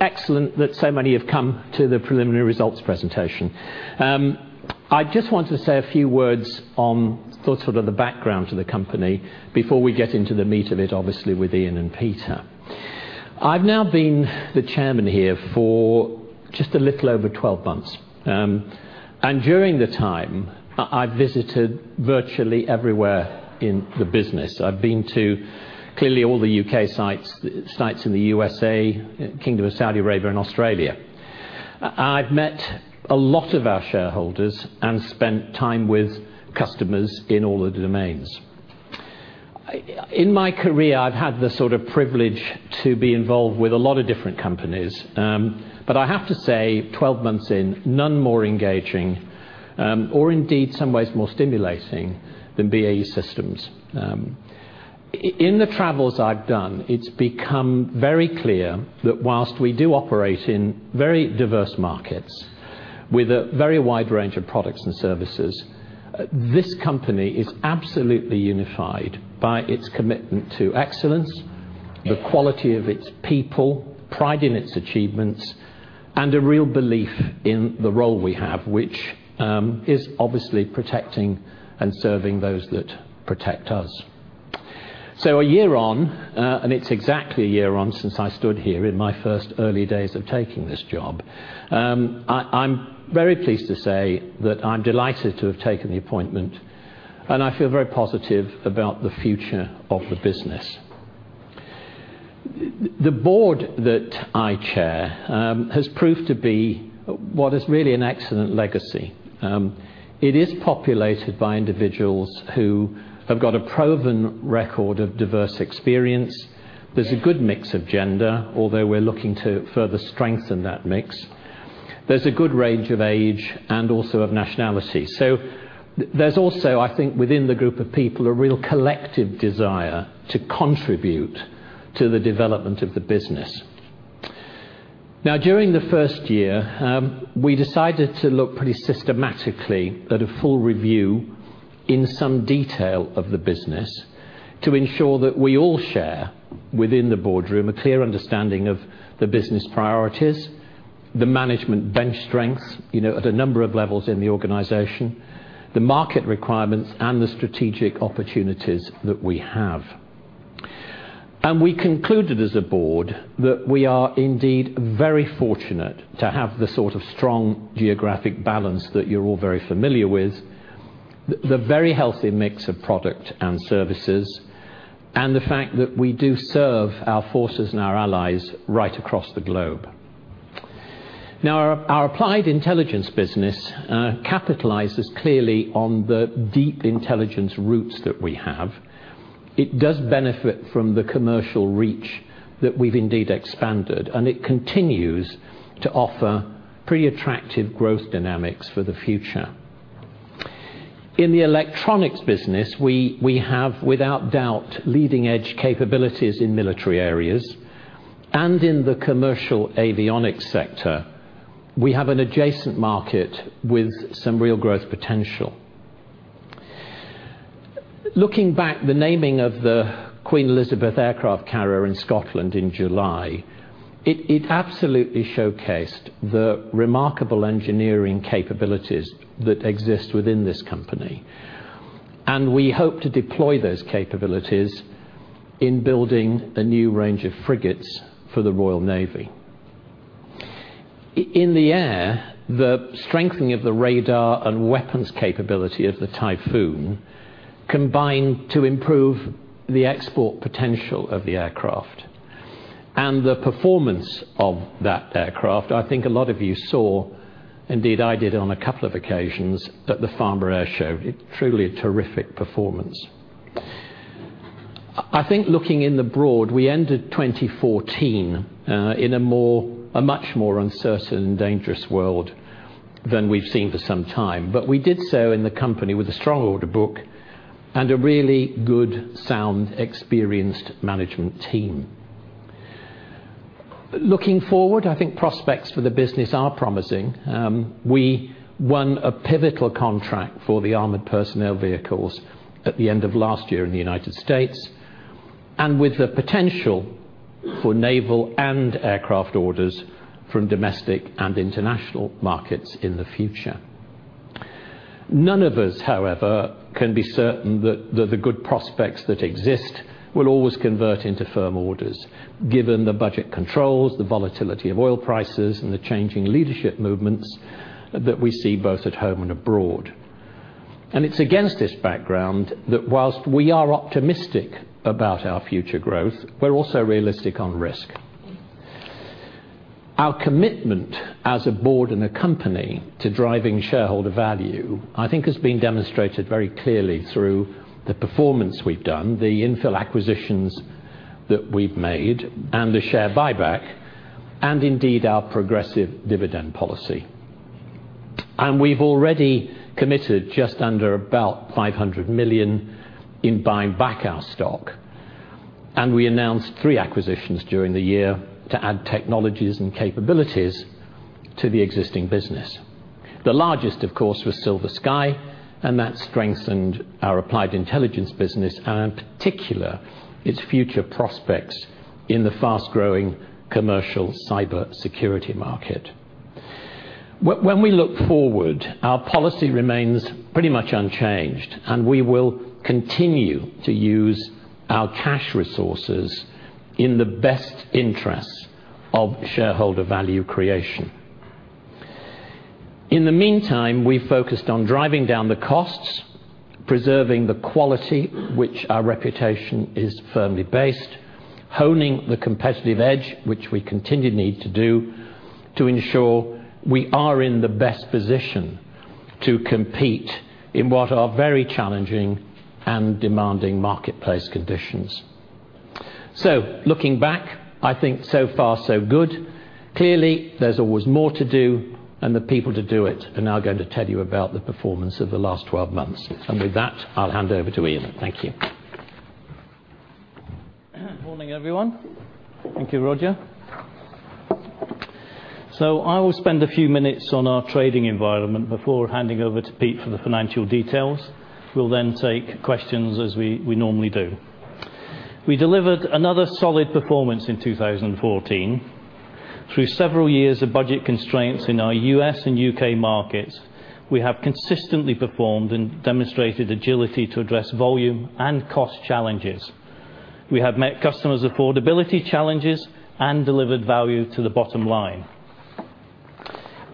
Excellent that so many have come to the preliminary results presentation. I just want to say a few words on sort of the background to the company before we get into the meat of it, obviously, with Ian and Peter. I've now been the chairman here for just a little over 12 months. During the time, I've visited virtually everywhere in the business. I've been to, clearly, all the U.K. sites in the U.S.A., Kingdom of Saudi Arabia, and Australia. I've met a lot of our shareholders and spent time with customers in all the domains. In my career, I've had the sort of privilege to be involved with a lot of different companies. I have to say, 12 months in, none more engaging, or indeed, some ways more stimulating, than BAE Systems. In the travels I've done, it's become very clear that whilst we do operate in very diverse markets with a very wide range of products and services, this company is absolutely unified by its commitment to excellence, the quality of its people, pride in its achievements, and a real belief in the role we have, which is obviously protecting and serving those that protect us. A year on, and it's exactly a year on since I stood here in my first early days of taking this job, I'm very pleased to say that I'm delighted to have taken the appointment, and I feel very positive about the future of the business. The board that I chair has proved to be what is really an excellent legacy. It is populated by individuals who have got a proven record of diverse experience. There's a good mix of gender, although we're looking to further strengthen that mix. There's a good range of age and also of nationality. There's also, I think within the group of people, a real collective desire to contribute to the development of the business. Now, during the first year, we decided to look pretty systematically at a full review in some detail of the business to ensure that we all share within the boardroom a clear understanding of the business priorities, the management bench strengths, at a number of levels in the organization, the market requirements, and the strategic opportunities that we have. We concluded as a board that we are indeed very fortunate to have the sort of strong geographic balance that you're all very familiar with, the very healthy mix of product and services, and the fact that we do serve our forces and our allies right across the globe. Now, our Applied Intelligence business capitalizes clearly on the deep intelligence roots that we have. It does benefit from the commercial reach that we've indeed expanded, and it continues to offer pretty attractive growth dynamics for the future. In the electronics business, we have, without doubt, leading-edge capabilities in military areas, and in the commercial avionics sector, we have an adjacent market with some real growth potential. Looking back, the naming of the Queen Elizabeth aircraft carrier in Scotland in July, it absolutely showcased the remarkable engineering capabilities that exist within this company. We hope to deploy those capabilities in building a new range of frigates for the Royal Navy. In the air, the strengthening of the radar and weapons capability of the Typhoon combine to improve the export potential of the aircraft. The performance of that aircraft, I think a lot of you saw, indeed I did on a couple of occasions, at the Farnborough Airshow. Truly a terrific performance. I think looking in the broad, we ended 2014 in a much more uncertain and dangerous world than we've seen for some time. We did so in the company with a strong order book and a really good, sound, experienced management team. Looking forward, I think prospects for the business are promising. We won a pivotal contract for the armored personnel vehicles at the end of last year in the U.S., with the potential for naval and aircraft orders from domestic and international markets in the future. None of us, however, can be certain that the good prospects that exist will always convert into firm orders, given the budget controls, the volatility of oil prices, and the changing leadership movements that we see both at home and abroad. It's against this background that whilst we are optimistic about our future growth, we're also realistic on risk. Our commitment as a board and a company to driving shareholder value, I think has been demonstrated very clearly through the performance we've done, the infill acquisitions that we've made, and the share buyback, and indeed, our progressive dividend policy. We've already committed just under about 500 million in buying back our stock. We announced three acquisitions during the year to add technologies and capabilities to the existing business. The largest, of course, was SilverSky, and that strengthened our Applied Intelligence business, and in particular, its future prospects in the fast-growing commercial cybersecurity market. When we look forward, our policy remains pretty much unchanged, and we will continue to use our cash resources in the best interest of shareholder value creation. In the meantime, we focused on driving down the costs, preserving the quality, which our reputation is firmly based, honing the competitive edge, which we continue to need to do, to ensure we are in the best position to compete in what are very challenging and demanding marketplace conditions. Looking back, I think so far so good. Clearly, there's always more to do, and the people to do it are now going to tell you about the performance of the last 12 months. With that, I'll hand over to Ian. Thank you. Morning, everyone. Thank you, Roger. I will spend a few minutes on our trading environment before handing over to Pete for the financial details. We'll take questions as we normally do. We delivered another solid performance in 2014. Through several years of budget constraints in our U.S. and U.K. markets, we have consistently performed and demonstrated agility to address volume and cost challenges. We have met customers' affordability challenges and delivered value to the bottom line.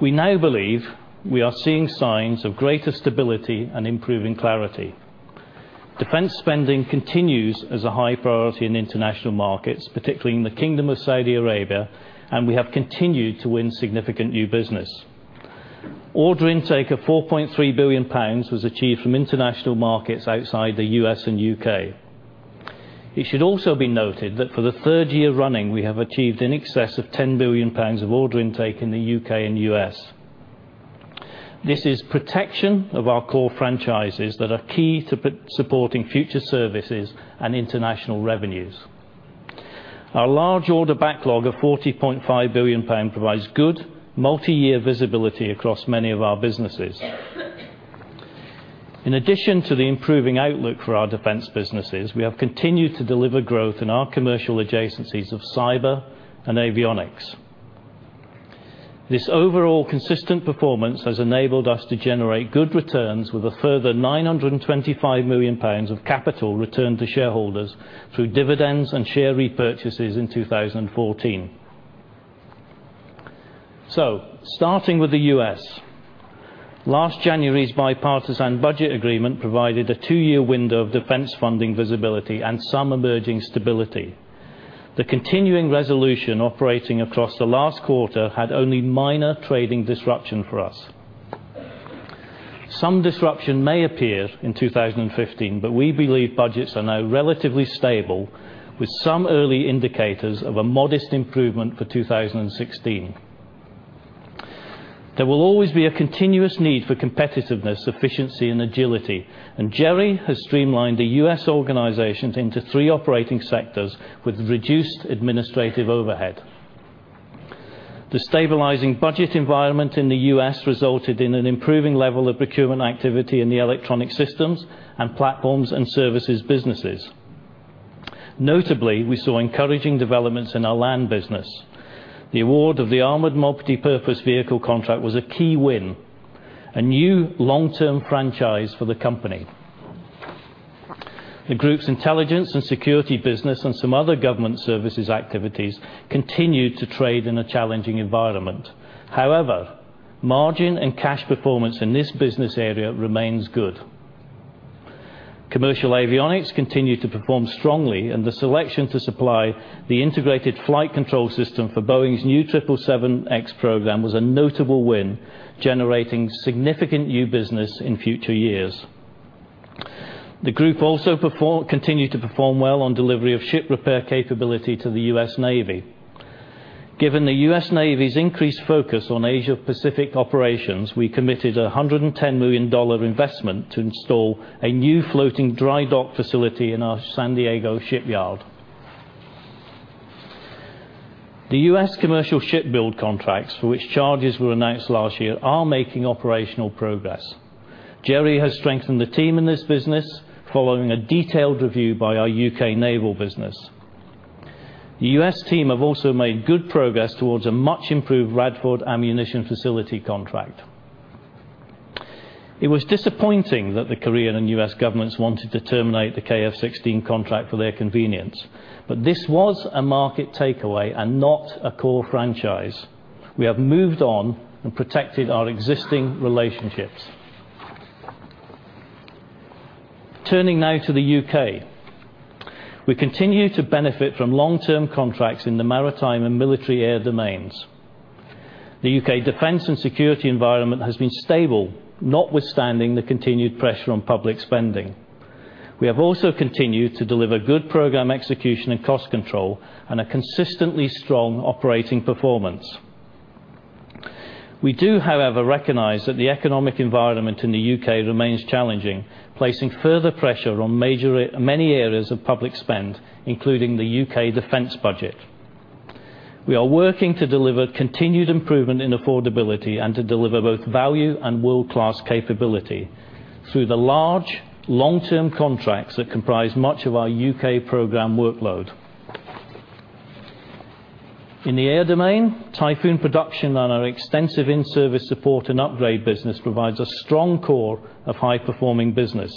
We now believe we are seeing signs of greater stability and improving clarity. Defense spending continues as a high priority in international markets, particularly in the Kingdom of Saudi Arabia, and we have continued to win significant new business. Order intake of 4.3 billion pounds was achieved from international markets outside the U.S. and U.K. It should also be noted that for the third year running, we have achieved in excess of 10 billion pounds of order intake in the U.K. and U.S. This is protection of our core franchises that are key to supporting future services and international revenues. Our large order backlog of 40.5 billion pounds provides good multiyear visibility across many of our businesses. In addition to the improving outlook for our defense businesses, we have continued to deliver growth in our commercial adjacencies of cyber and avionics. This overall consistent performance has enabled us to generate good returns with a further GBP 925 million of capital returned to shareholders through dividends and share repurchases in 2014. Starting with the U.S., last January's bipartisan budget agreement provided a two-year window of defense funding visibility and some emerging stability. The continuing resolution operating across the last quarter had only minor trading disruption for us. Some disruption may appear in 2015, we believe budgets are now relatively stable, with some early indicators of a modest improvement for 2016. There will always be a continuous need for competitiveness, efficiency, and agility, Jerry has streamlined the U.S. organization into three operating sectors with reduced administrative overhead. The stabilizing budget environment in the U.S. resulted in an improving level of procurement activity in the Electronic Systems and Platforms & Services businesses. Notably, we saw encouraging developments in our Land & Armaments business. The award of the Armored Multi-Purpose Vehicle contract was a key win, a new long-term franchise for the company. The group's intelligence and security business and some other government services activities continued to trade in a challenging environment. However, margin and cash performance in this business area remains good. Commercial avionics continued to perform strongly, the selection to supply the integrated flight control system for Boeing's new 777X program was a notable win, generating significant new business in future years. The group also continued to perform well on delivery of ship repair capability to the U.S. Navy. Given the U.S. Navy's increased focus on Asia-Pacific operations, we committed $110 million investment to install a new floating dry dock facility in our San Diego shipyard. The U.S. commercial ship build contracts for which charges were announced last year are making operational progress. Jerry has strengthened the team in this business following a detailed review by our U.K. naval business. The U.S. team have also made good progress towards a much improved Radford Army Ammunition Plant contract. It was disappointing that the Korean and U.S. governments wanted to terminate the KF-16 contract for their convenience. This was a market takeaway and not a core franchise. We have moved on and protected our existing relationships. Turning now to the U.K. We continue to benefit from long-term contracts in the maritime and military air domains. The U.K. defense and security environment has been stable, notwithstanding the continued pressure on public spending. We have also continued to deliver good program execution and cost control and a consistently strong operating performance. We do, however, recognize that the economic environment in the U.K. remains challenging, placing further pressure on many areas of public spend, including the U.K. defense budget. We are working to deliver continued improvement in affordability and to deliver both value and world-class capability through the large, long-term contracts that comprise much of our U.K. program workload. In the air domain, Typhoon production and our extensive in-service support and upgrade business provides a strong core of high-performing business.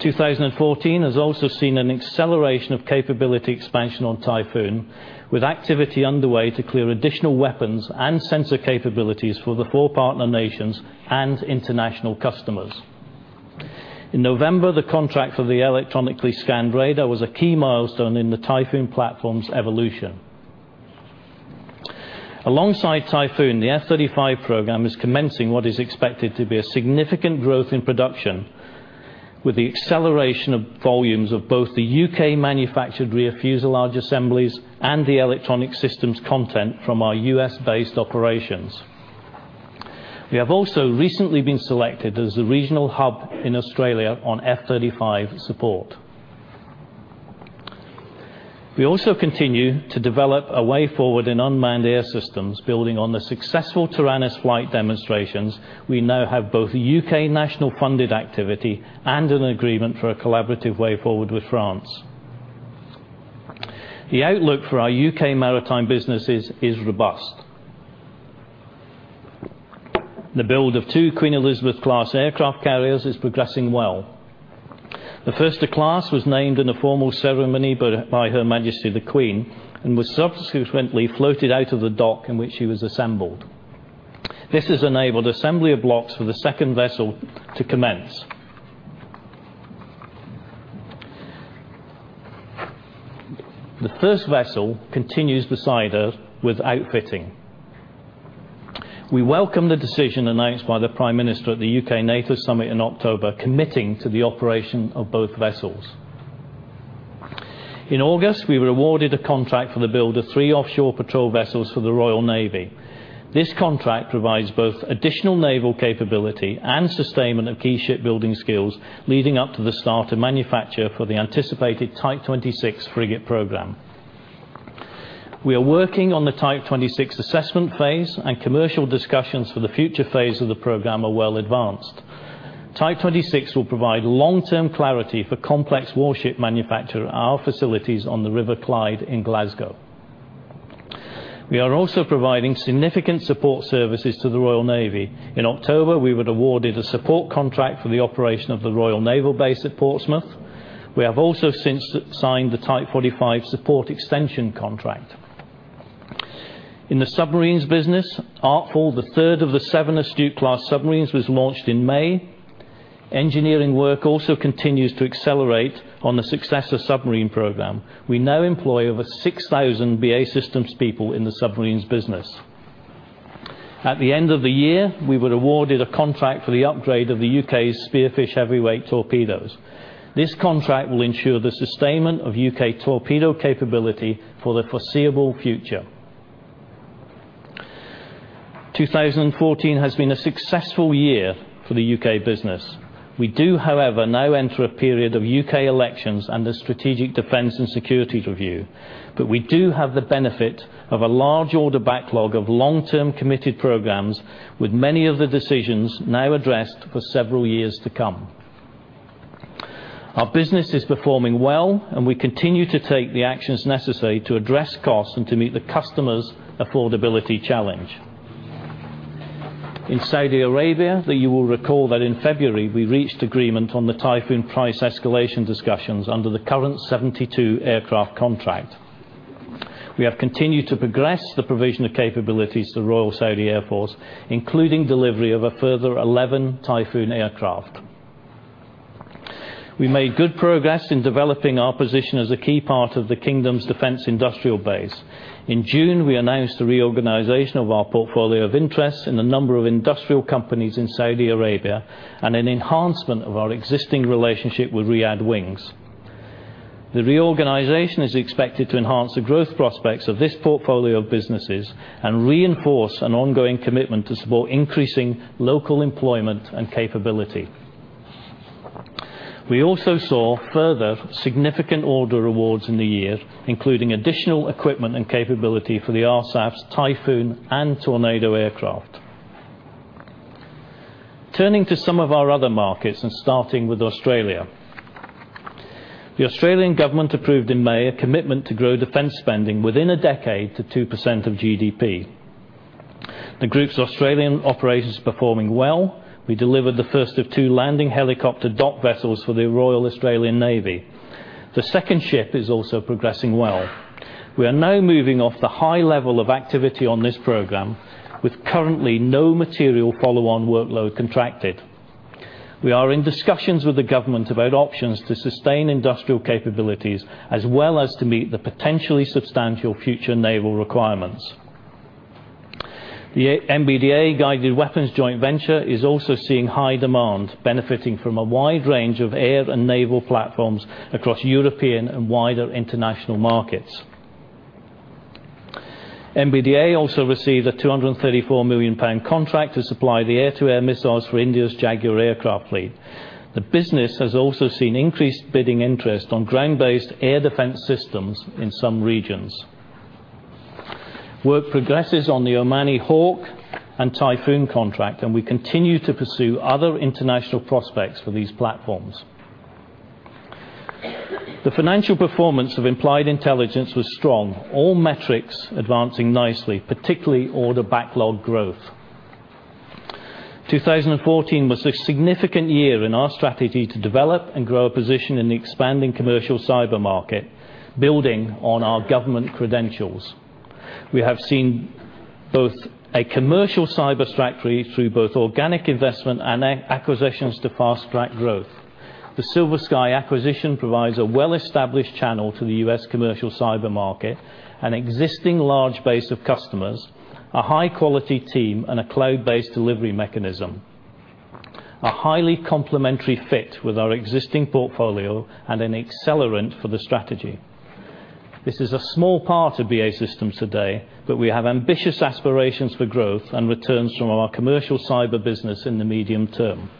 2014 has also seen an acceleration of capability expansion on Typhoon, with activity underway to clear additional weapons and sensor capabilities for the four partner nations and international customers. In November, the contract for the electronically scanned radar was a key milestone in the Typhoon platform's evolution. Alongside Typhoon, the F-35 program is commencing what is expected to be a significant growth in production, with the acceleration of volumes of both the U.K.-manufactured rear fuselage assemblies and the Electronic Systems content from our U.S.-based operations. We have also recently been selected as the regional hub in Australia on F-35 support. We also continue to develop a way forward in unmanned air systems. Building on the successful Taranis flight demonstrations, we now have both a U.K. national funded activity and an agreement for a collaborative way forward with France. The outlook for our U.K. maritime businesses is robust. The build of two Queen Elizabeth Class aircraft carriers is progressing well. The first of class was named in a formal ceremony by Her Majesty The Queen, and was subsequently floated out of the dock in which she was assembled. This has enabled assembly of blocks for the second vessel to commence. The first vessel continues beside her with outfitting. We welcome the decision announced by the Prime Minister at the U.K. NATO Summit in October, committing to the operation of both vessels. In August, we were awarded a contract for the build of three Offshore Patrol Vessels for the Royal Navy. This contract provides both additional naval capability and sustainment of key shipbuilding skills leading up to the start of manufacture for the anticipated Type 26 frigate program. We are working on the Type 26 assessment phase, and commercial discussions for the future phase of the program are well advanced. Type 26 will provide long-term clarity for complex warship manufacture at our facilities on the River Clyde in Glasgow. We are also providing significant support services to the Royal Navy. In October, we were awarded a support contract for the operation of the Royal Naval base at Portsmouth. We have also since signed the Type 45 support extension contract. In the submarines business, Artful, the third of the seven Astute-class submarines, was launched in May. Engineering work also continues to accelerate on the Successor submarine program. We now employ over 6,000 BAE Systems people in the submarines business. At the end of the year, we were awarded a contract for the upgrade of the UK's Spearfish heavyweight torpedoes. This contract will ensure the sustainment of UK torpedo capability for the foreseeable future. 2014 has been a successful year for the UK business. We do, however, now enter a period of UK elections and a Strategic Defence and Security Review, but we do have the benefit of a large order backlog of long-term committed programs, with many of the decisions now addressed for several years to come. Our business is performing well, and we continue to take the actions necessary to address costs and to meet the customer's affordability challenge. In Saudi Arabia, you will recall that in February, we reached agreement on the Typhoon price escalation discussions under the current 72-aircraft contract. We have continued to progress the provision of capabilities to the Royal Saudi Air Force, including delivery of a further 11 Typhoon aircraft. We made good progress in developing our position as a key part of the kingdom's defense industrial base. In June, we announced a reorganization of our portfolio of interests in a number of industrial companies in Saudi Arabia and an enhancement of our existing relationship with Riyadh Wings. The reorganization is expected to enhance the growth prospects of this portfolio of businesses and reinforce an ongoing commitment to support increasing local employment and capability. We also saw further significant order awards in the year, including additional equipment and capability for the RSAF's Typhoon and Tornado aircraft. Turning to some of our other markets and starting with Australia. The Australian government approved in May a commitment to grow defense spending within a decade to 2% of GDP. The group's Australian operation is performing well. We delivered the first of two landing helicopter dock vessels for the Royal Australian Navy. The second ship is also progressing well. We are now moving off the high level of activity on this program, with currently no material follow-on workload contracted. We are in discussions with the government about options to sustain industrial capabilities as well as to meet the potentially substantial future naval requirements. The MBDA guided weapons joint venture is also seeing high demand, benefiting from a wide range of air and naval platforms across European and wider international markets. MBDA also received a 234 million pound contract to supply the air-to-air missiles for India's Jaguar aircraft fleet. The business has also seen increased bidding interest on ground-based air defense systems in some regions. Work progresses on the Omani Hawk and Typhoon contract, and we continue to pursue other international prospects for these platforms. The financial performance of Applied Intelligence was strong, all metrics advancing nicely, particularly order backlog growth. 2014 was a significant year in our strategy to develop and grow a position in the expanding commercial cyber market, building on our government credentials. We have seen both a commercial cyber strategy through both organic investment and acquisitions to fast-track growth. The SilverSky acquisition provides a well-established channel to the U.S. commercial cyber market, an existing large base of customers, a high-quality team, and a cloud-based delivery mechanism. A highly complementary fit with our existing portfolio and an accelerant for the strategy. This is a small part of BAE Systems today, but we have ambitious aspirations for growth and returns from our commercial cyber business in the medium term.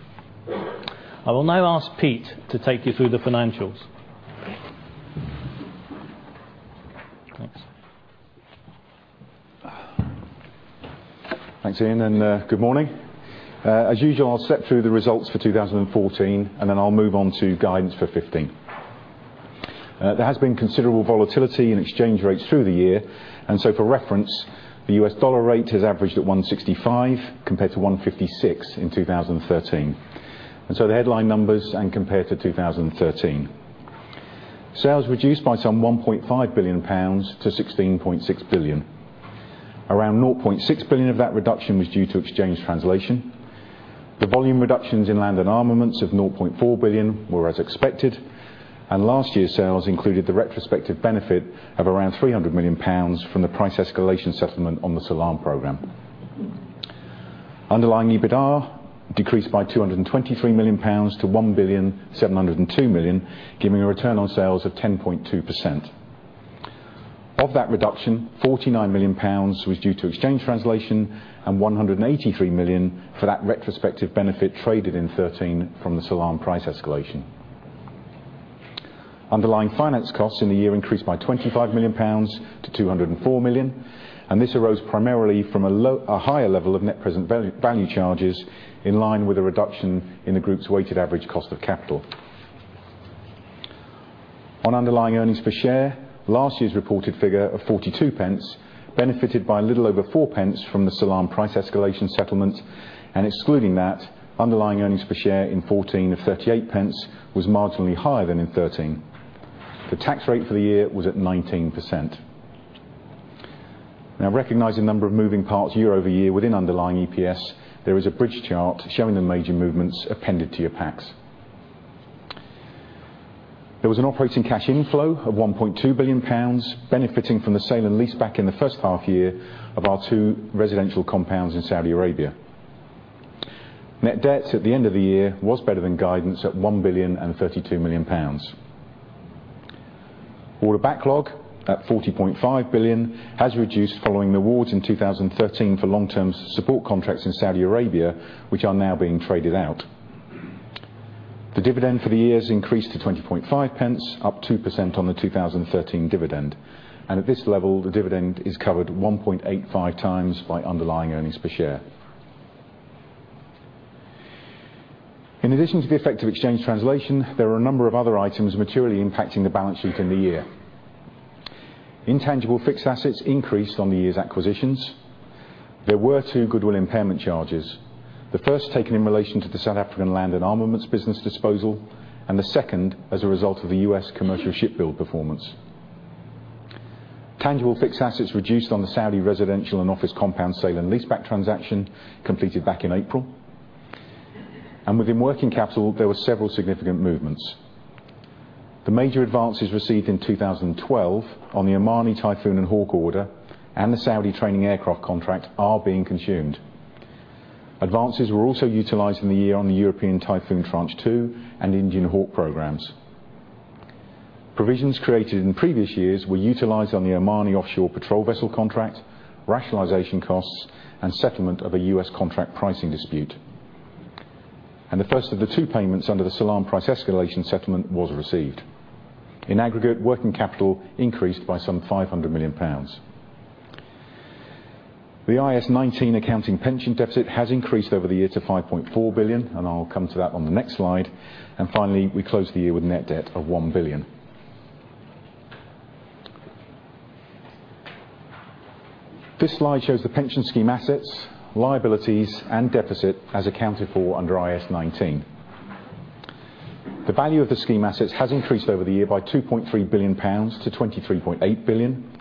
I will now ask Pete to take you through the financials. Thanks. Thanks, Ian, and good morning. As usual, I'll step through the results for 2014. Then I'll move on to guidance for 2015. There has been considerable volatility in exchange rates through the year. For reference, the US dollar rate has averaged at 165 compared to 156 in 2013. The headline numbers and compare to 2013. Sales reduced by some 1.5 billion pounds to 16.6 billion. Around 0.6 billion of that reduction was due to exchange translation. The volume reductions in Land & Armaments of 0.4 billion were as expected. Last year's sales included the retrospective benefit of around 300 million pounds from the price escalation settlement on the Salam program. Underlying EBITA decreased by 223 million pounds to 1,702 million, giving a return on sales of 10.2%. Of that reduction, GBP 49 million was due to exchange translation and 183 million for that retrospective benefit traded in 2013 from the Salam price escalation. Underlying finance costs in the year increased by 25 million pounds to 204 million. This arose primarily from a higher level of Net Present Value charges in line with a reduction in the group's Weighted Average Cost of Capital. On underlying earnings per share, last year's reported figure of 0.42 benefited by little over 0.04 from the Salam price escalation settlement. Excluding that, underlying earnings per share in 2014 of 0.38 was marginally higher than in 2013. The tax rate for the year was at 19%. Recognizing the number of moving parts year-over-year within underlying EPS, there is a bridge chart showing the major movements appended to your packs. There was an operating cash inflow of 1.2 billion pounds, benefiting from the sale and leaseback in the first half year of our two residential compounds in Saudi Arabia. Net debts at the end of the year was better than guidance at 1,032 million pounds. Order backlog, at 40.5 billion, has reduced following the awards in 2013 for long-term support contracts in Saudi Arabia, which are now being traded out. The dividend for the year has increased to 0.205, up 2% on the 2013 dividend. At this level, the dividend is covered 1.85 times by underlying earnings per share. In addition to the effect of exchange translation, there are a number of other items materially impacting the balance sheet in the year. Intangible fixed assets increased on the year's acquisitions. There were two goodwill impairment charges, the first taken in relation to the South African Land & Armaments business disposal, and the second as a result of the U.S. commercial ship build performance. Tangible fixed assets reduced on the Saudi residential and office compound sale and leaseback transaction completed back in April. Within working capital, there were several significant movements. The major advances received in 2012 on the Omani Typhoon and Hawk order and the Saudi training aircraft contract are being consumed. Advances were also utilized in the year on the European Typhoon Tranche 2 and Indian Hawk programs. Provisions created in previous years were utilized on the Omani Offshore Patrol Vessel contract, rationalization costs, and settlement of a U.S. contract pricing dispute. The first of the two payments under the Salam price escalation settlement was received. In aggregate, working capital increased by some 500 million pounds. The IAS 19 accounting pension deficit has increased over the year to 5.4 billion, I'll come to that on the next slide. Finally, we close the year with net debt of 1 billion. This slide shows the pension scheme assets, liabilities, and deficit as accounted for under IAS 19. The value of the scheme assets has increased over the year by 2.3 billion pounds to 23.8 billion.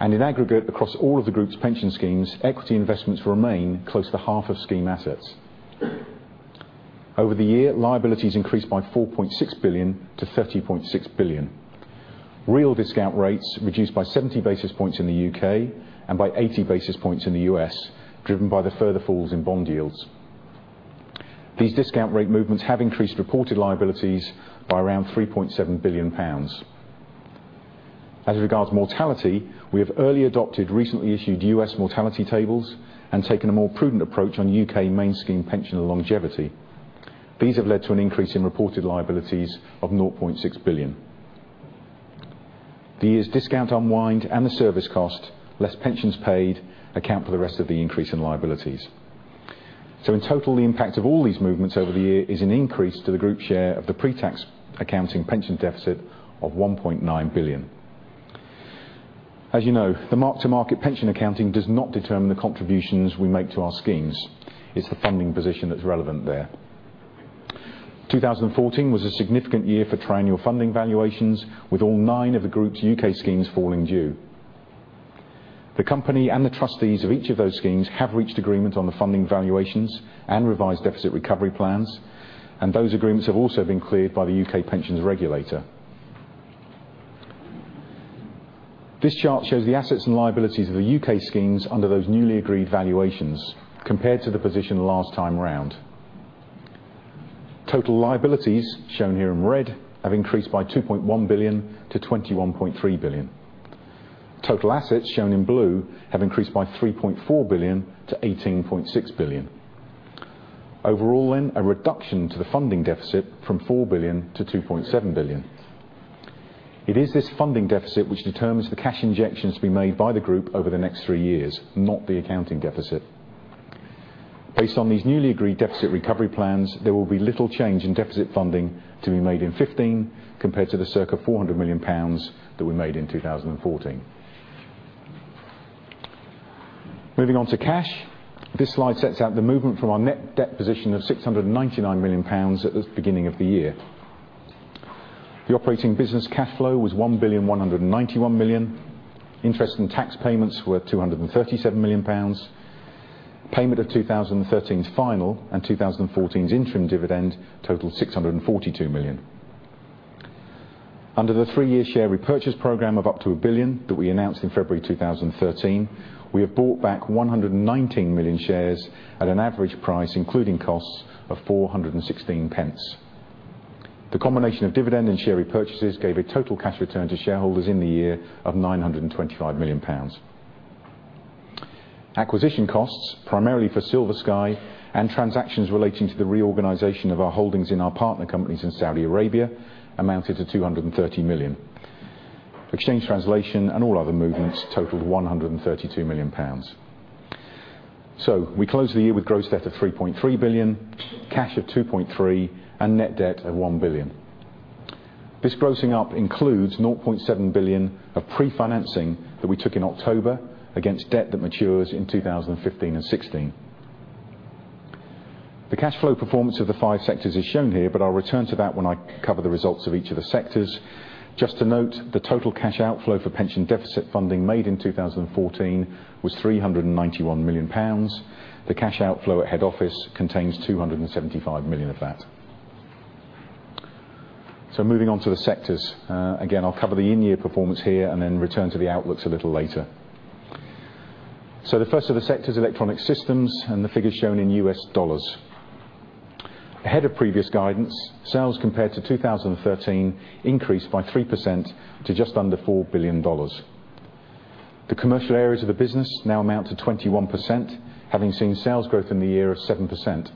In aggregate, across all of the group's pension schemes, equity investments remain close to half of scheme assets. Over the year, liabilities increased by 4.6 billion to 30.6 billion. Real discount rates reduced by 70 basis points in the U.K. and by 80 basis points in the U.S., driven by the further falls in bond yields. These discount rate movements have increased reported liabilities by around 3.7 billion pounds. As regards mortality, we have early adopted recently issued U.S. mortality tables and taken a more prudent approach on U.K. main scheme pension longevity. These have led to an increase in reported liabilities of 0.6 billion. The year's discount unwind and the service cost less pensions paid account for the rest of the increase in liabilities. In total, the impact of all these movements over the year is an increase to the group share of the pre-tax accounting pension deficit of 1.9 billion. You know, the mark-to-market pension accounting does not determine the contributions we make to our schemes. It's the funding position that's relevant there. 2014 was a significant year for triennial funding valuations, with all nine of the group's U.K. schemes falling due. The company and the trustees of each of those schemes have reached agreement on the funding valuations and revised deficit recovery plans, those agreements have also been cleared by the U.K. pensions regulator. This chart shows the assets and liabilities of the U.K. schemes under those newly agreed valuations compared to the position last time around. Total liabilities, shown here in red, have increased by 2.1 billion to 21.3 billion. Total assets, shown in blue, have increased by 3.4 billion to 18.6 billion. Overall, a reduction to the funding deficit from 4 billion to 2.7 billion. It is this funding deficit which determines the cash injections to be made by the group over the next three years, not the accounting deficit. Based on these newly agreed deficit recovery plans, there will be little change in deficit funding to be made in 2015 compared to the circa 400 million pounds that were made in 2014. Moving on to cash. This slide sets out the movement from our net debt position of 699 million pounds at the beginning of the year. The operating business cash flow was 1.191 billion. Interest in tax payments were 237 million pounds. Payment of 2013's final and 2014's interim dividend totaled 642 million. Under the three-year share repurchase program of up to 1 billion that we announced in February 2013, we have bought back 119 million shares at an average price, including costs, of 4.16. The combination of dividend and share repurchases gave a total cash return to shareholders in the year of 925 million pounds. Acquisition costs, primarily for SilverSky and transactions relating to the reorganization of our holdings in our partner companies in Saudi Arabia, amounted to 230 million. Exchange translation and all other movements totaled 132 million pounds. We closed the year with gross debt of 3.3 billion, cash of 2.3 billion, and net debt of 1 billion. This grossing up includes 0.7 billion of pre-financing that we took in October against debt that matures in 2015 and 2016. The cash flow performance of the five sectors is shown here, but I'll return to that when I cover the results of each of the sectors. Just to note, the total cash outflow for pension deficit funding made in 2014 was 391 million pounds. The cash outflow at head office contains 275 million of that. Moving on to the sectors. I'll cover the in-year performance here and then return to the outlooks a little later. The first of the sectors, Electronic Systems, and the figures shown in U.S. dollars. Ahead of previous guidance, sales compared to 2013 increased by 3% to just under $4 billion. The commercial areas of the business now amount to 21%, having seen sales growth in the year of 7%.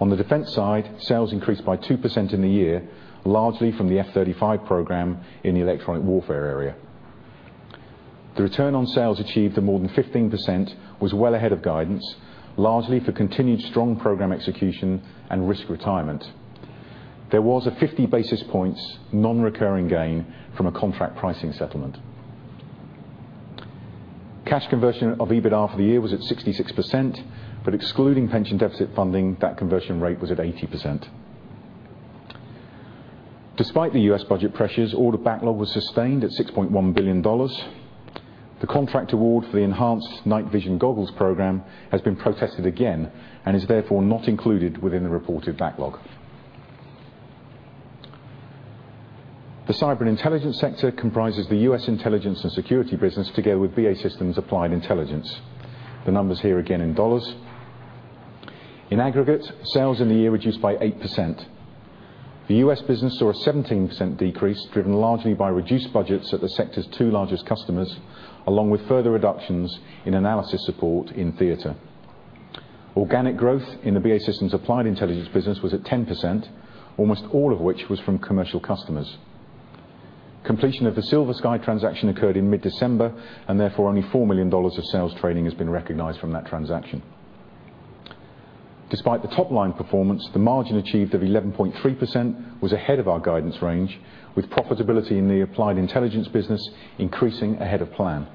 On the defense side, sales increased by 2% in the year, largely from the F-35 program in the electronic warfare area. The return on sales achieved of more than 15% was well ahead of guidance, largely for continued strong program execution and risk retirement. There was a 50 basis points non-recurring gain from a contract pricing settlement. Cash conversion of EBITDA for the year was at 66%, but excluding pension deficit funding, that conversion rate was at 80%. Despite the U.S. budget pressures, order backlog was sustained at $6.1 billion. The contract award for the Enhanced Night Vision Goggle program has been protested again and is therefore not included within the reported backlog. The Cyber & Intelligence sector comprises the U.S. intelligence and security business, together with BAE Systems Applied Intelligence. The numbers here again in dollars. In aggregate, sales in the year reduced by 8%. The U.S. business saw a 17% decrease, driven largely by reduced budgets at the sector's two largest customers, along with further reductions in analysis support in theater. Organic growth in the BAE Systems Applied Intelligence business was at 10%, almost all of which was from commercial customers. Completion of the SilverSky transaction occurred in mid-December, and therefore, only $4 million of sales trading has been recognized from that transaction. Despite the top-line performance, the margin achieved of 11.3% was ahead of our guidance range, with profitability in the Applied Intelligence business increasing ahead of plan.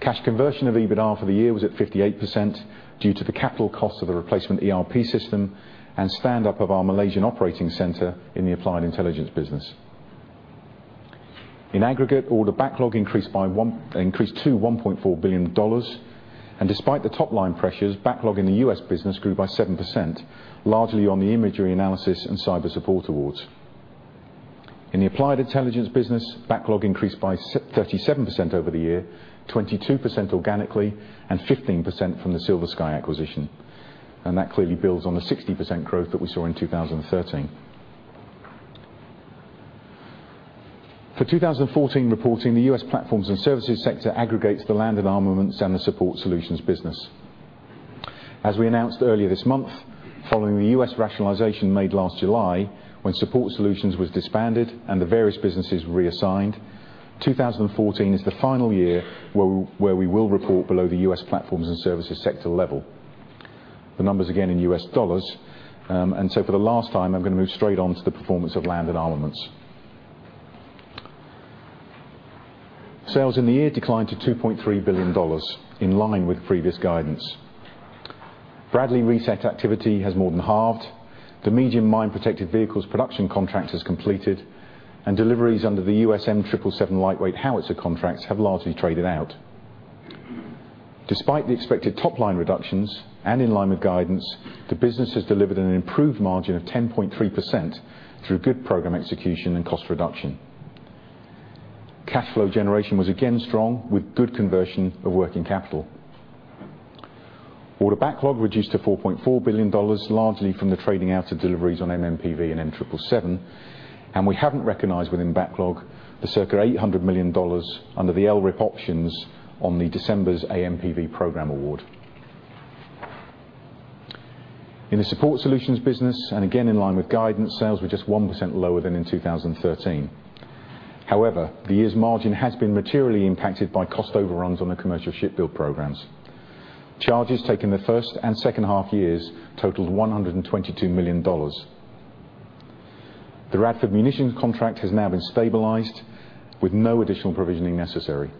Cash conversion of EBITDA for the year was at 58% due to the capital cost of the replacement ERP system and stand-up of our Malaysian operating center in the Applied Intelligence business. In aggregate, order backlog increased to $1.4 billion, and despite the top-line pressures, backlog in the U.S. business grew by 7%, largely on the imagery analysis and cyber support awards. In the Applied Intelligence business, backlog increased by 37% over the year, 22% organically, and 15% from the SilverSky acquisition. That clearly builds on the 60% growth that we saw in 2013. For 2014 reporting, the U.S. Platforms & Services sector aggregates the Land & Armaments and the Support Solutions business. As we announced earlier this month, following the U.S. rationalization made last July, when Support Solutions was disbanded and the various businesses reassigned, 2014 is the final year where we will report below the U.S. Platforms & Services sector level. The numbers, again, in U.S. dollars. So for the last time, I'm going to move straight on to the performance of Land & Armaments. Sales in the year declined to $2.3 billion, in line with previous guidance. Bradley reset activity has more than halved. The Medium Mine Protected Vehicles production contract is completed, and deliveries under the M777 lightweight howitzer contracts have largely traded out. Despite the expected top-line reductions, and in line with guidance, the business has delivered an improved margin of 10.3% through good program execution and cost reduction. Cash flow generation was again strong, with good conversion of working capital. Order backlog reduced to $4.4 billion, largely from the trading out of deliveries on MMPV and M777. We haven't recognized within backlog the circa $800 million under the LRIP options on the December's AMPV program award. In the Support Solutions business, and again in line with guidance, sales were just 1% lower than in 2013. However, the year's margin has been materially impacted by cost overruns on the commercial ship build programs. Charges taken the first and second half-years totaled $122 million. The Radford Munitions contract has now been stabilized with no additional provisioning necessary.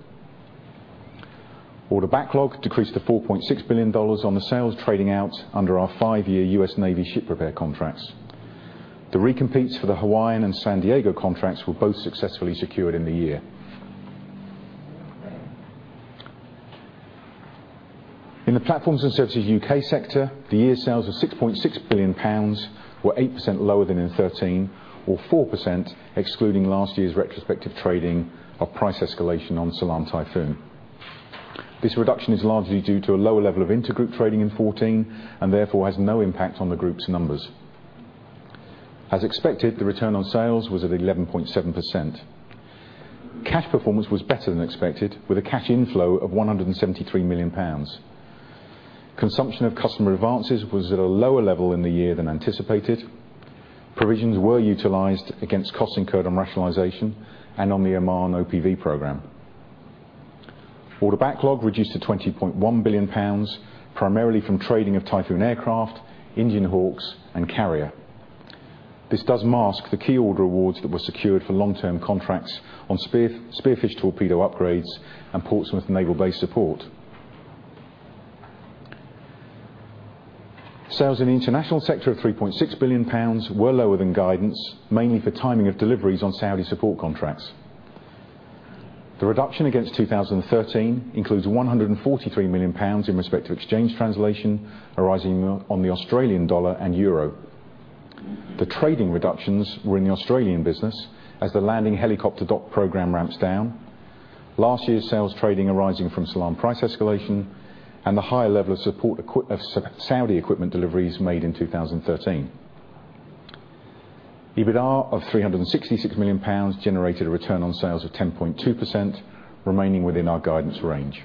Order backlog decreased to $4.6 billion on the sales trading out under our five-year U.S. Navy ship repair contracts. The recompetes for the Hawaiian and San Diego contracts were both successfully secured in the year. In the Platforms & Services UK sector, the year sales of £6.6 billion were 8% lower than in 2013, or 4% excluding last year's retrospective trading of price escalation on Salam Typhoon. This reduction is largely due to a lower level of intergroup trading in 2014, and therefore has no impact on the group's numbers. As expected, the return on sales was at 11.7%. Cash performance was better than expected, with a cash inflow of £173 million. Consumption of customer advances was at a lower level in the year than anticipated. Provisions were utilized against costs incurred on rationalization and on the Omani OPV program. Order backlog reduced to £20.1 billion, primarily from trading of Typhoon aircraft, Indian Hawks, and Carrier. This does mask the key order awards that were secured for long-term contracts on Spearfish torpedo upgrades and Portsmouth Naval Base support. Sales in the international sector of 3.6 billion pounds were lower than guidance, mainly for timing of deliveries on Saudi support contracts. The reduction against 2013 includes 143 million pounds in respect to exchange translation arising on the Australian dollar and euro. The trading reductions were in the Australian business, as the landing helicopter dock program ramps down. Last year's sales trading arising from Salam price escalation and the higher level of Saudi equipment deliveries made in 2013. EBITA of 366 million pounds generated a return on sales of 10.2%, remaining within our guidance range.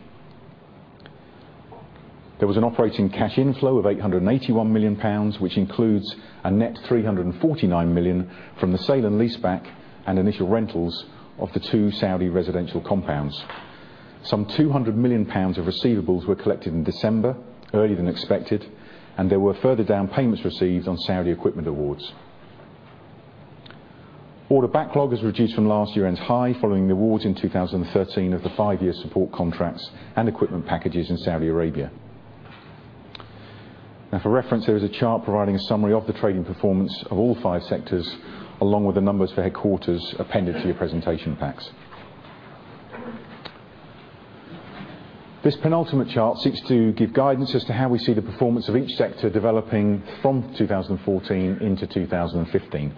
There was an operating cash inflow of 881 million pounds, which includes a net 349 million from the sale and leaseback and initial rentals of the two Saudi residential compounds. Some 200 million pounds of receivables were collected in December, earlier than expected, and there were further down payments received on Saudi equipment awards. For reference, there is a chart providing a summary of the trading performance of all five sectors, along with the numbers for headquarters appended to your presentation packs. This penultimate chart seeks to give guidance as to how we see the performance of each sector developing from 2014 into 2015.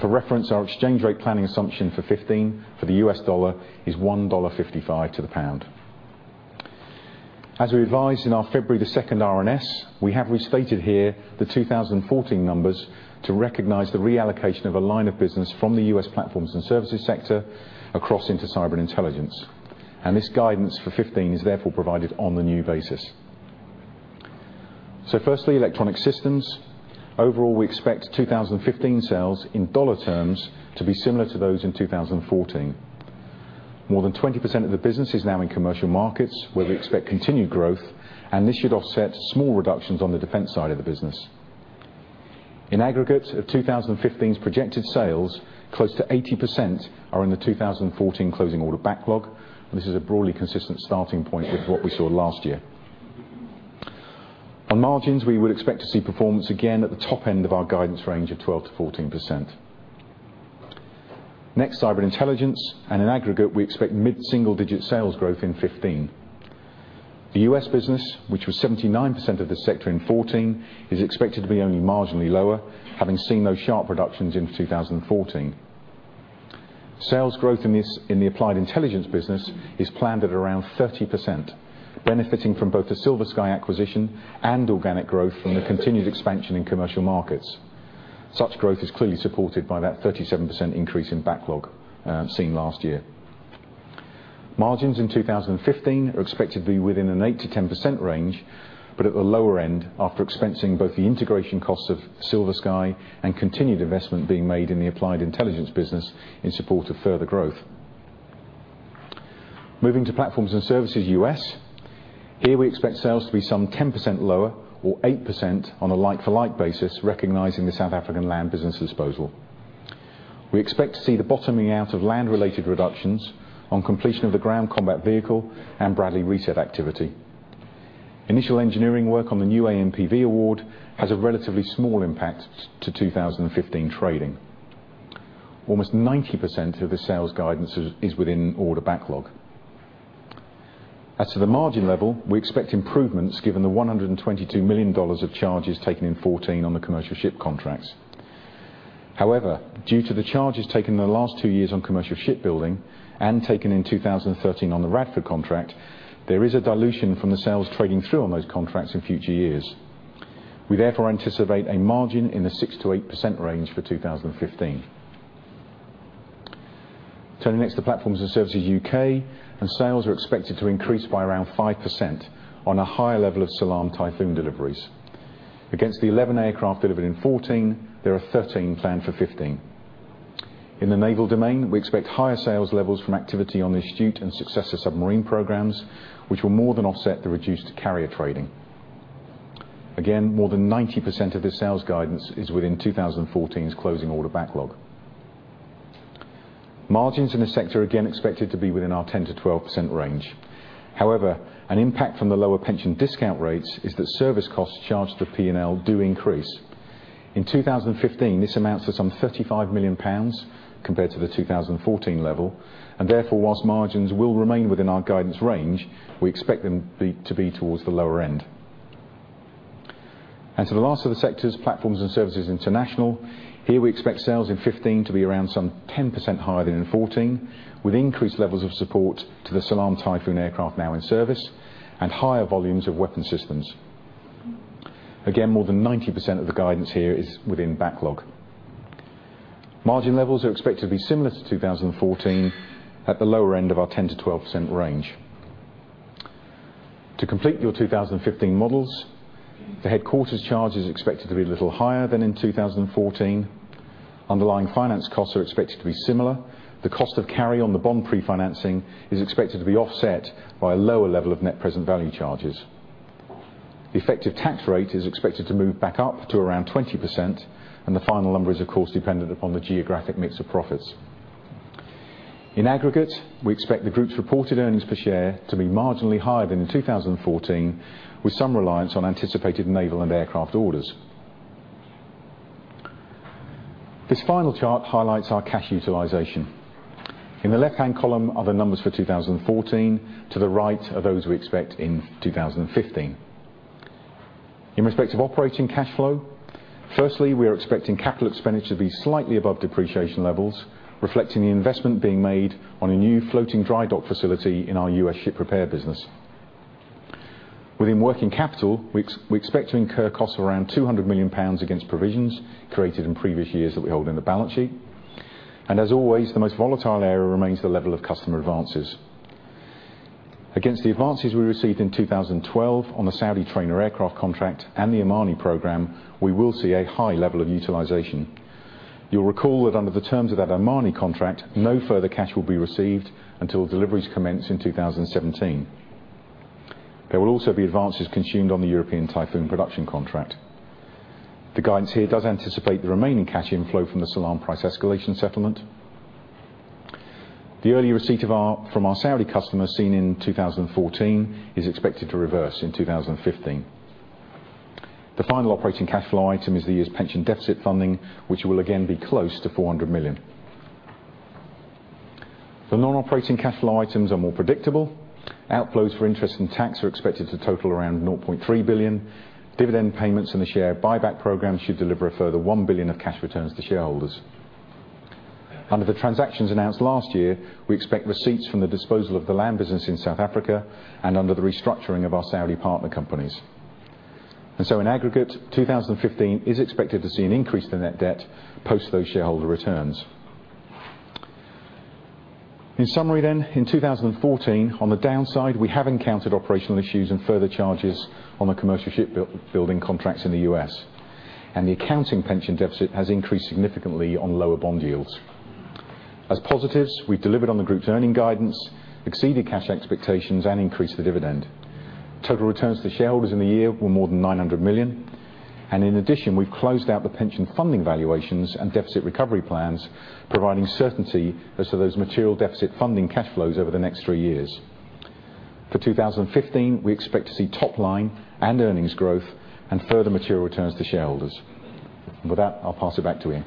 For reference, our exchange rate planning assumption for 2015 for the U.S. dollar is $1.55 to the pound. As we advised in our February the second RNS, we have restated here the 2014 numbers to recognize the reallocation of a line of business from the U.S. Platforms & Services sector across into Cyber & Intelligence. This guidance for 2015 is therefore provided on the new basis. Firstly, Electronic Systems. Overall, we expect 2015 sales in dollar terms to be similar to those in 2014. More than 20% of the business is now in commercial markets, where we expect continued growth, and this should offset small reductions on the defense side of the business. In aggregate of 2015's projected sales, close to 80% are in the 2014 closing order backlog. This is a broadly consistent starting point with what we saw last year. On margins, we would expect to see performance again at the top end of our guidance range of 12%-14%. Next, Cyber & Intelligence. In aggregate, we expect mid-single digit sales growth in 2015. The U.S. business, which was 79% of the sector in 2014, is expected to be only marginally lower, having seen those sharp reductions in 2014. Sales growth in the Applied Intelligence business is planned at around 30%, benefiting from both the SilverSky acquisition and organic growth from the continued expansion in commercial markets. Such growth is clearly supported by that 37% increase in backlog seen last year. Margins in 2015 are expected to be within an 8%-10% range, but at the lower end, after expensing both the integration costs of SilverSky and continued investment being made in the Applied Intelligence business in support of further growth. Moving to Platforms & Services U.S. Here, we expect sales to be some 10% lower or 8% on a like-for-like basis, recognizing the South African land business disposal. We expect to see the bottoming out of land-related reductions on completion of the Ground Combat Vehicle and Bradley reset activity. Initial engineering work on the new AMPV award has a relatively small impact to 2015 trading. Almost 90% of the sales guidance is within order backlog. As to the margin level, we expect improvements given the $122 million of charges taken in 2014 on the commercial ship contracts. Due to the charges taken in the last two years on commercial shipbuilding and taken in 2013 on the Radford contract, there is a dilution from the sales trading through on those contracts in future years. We, therefore, anticipate a margin in the 6%-8% range for 2015. Turning next to Platforms & Services (UK), sales are expected to increase by around 5% on a higher level of Salam Typhoon deliveries. Against the 11 aircraft delivered in 2014, there are 13 planned for 2015. In the naval domain, we expect higher sales levels from activity on the Astute and Successor submarine programs, which will more than offset the reduced Carrier trading. More than 90% of the sales guidance is within 2014's closing order backlog. Margins in this sector are again expected to be within our 10%-12% range. An impact from the lower pension discount rates is that service costs charged to P&L do increase. In 2015, this amounts to some £35 million compared to the 2014 level, therefore, whilst margins will remain within our guidance range, we expect them to be towards the lower end. To the last of the sectors, Platforms & Services International. Here, we expect sales in 2015 to be around some 10% higher than in 2014, with increased levels of support to the Salam Typhoon aircraft now in service and higher volumes of weapon systems. More than 90% of the guidance here is within backlog. Margin levels are expected to be similar to 2014 at the lower end of our 10%-12% range. To complete your 2015 models, the headquarters charge is expected to be a little higher than in 2014. Underlying finance costs are expected to be similar. The cost of carry on the bond pre-financing is expected to be offset by a lower level of Net Present Value charges. The effective tax rate is expected to move back up to around 20%, the final number is, of course, dependent upon the geographic mix of profits. In aggregate, we expect the group's reported earnings per share to be marginally higher than in 2014, with some reliance on anticipated naval and aircraft orders. This final chart highlights our cash utilization. In the left-hand column are the numbers for 2014, to the right are those we expect in 2015. In respect of operating cash flow, firstly, we are expecting capital expenditure to be slightly above depreciation levels, reflecting the investment being made on a new floating dry dock facility in our U.S. ship repair business. Within working capital, we expect to incur costs of around £200 million against provisions created in previous years that we hold in the balance sheet. As always, the most volatile area remains the level of customer advances. Against the advances we received in 2012 on the Saudi trainer aircraft contract and the Omani program, we will see a high level of utilization. You'll recall that under the terms of that Omani contract, no further cash will be received until deliveries commence in 2017. There will also be advances consumed on the European Typhoon production contract. The guidance here does anticipate the remaining cash inflow from the Salam price escalation settlement. The early receipt from our Saudi customers seen in 2014 is expected to reverse in 2015. The final operating cash flow item is the year's pension deficit funding, which will again be close to 400 million. The non-operating cash flow items are more predictable. Outflows for interest and tax are expected to total around 0.3 billion. Dividend payments and the share buyback program should deliver a further 1 billion of cash returns to shareholders. Under the transactions announced last year, we expect receipts from the disposal of the land business in South Africa and under the restructuring of our Saudi partner companies. In aggregate, 2015 is expected to see an increase in net debt post those shareholder returns. In summary, in 2014, on the downside, we have encountered operational issues and further charges on the commercial shipbuilding contracts in the U.S., and the accounting pension deficit has increased significantly on lower bond yields. As positives, we've delivered on the group's earning guidance, exceeded cash expectations, and increased the dividend. Total returns to shareholders in the year were more than 900 million, and in addition, we've closed out the pension funding valuations and deficit recovery plans, providing certainty as to those material deficit funding cash flows over the next three years. For 2015, we expect to see top line and earnings growth and further material returns to shareholders. With that, I'll pass it back to Ian.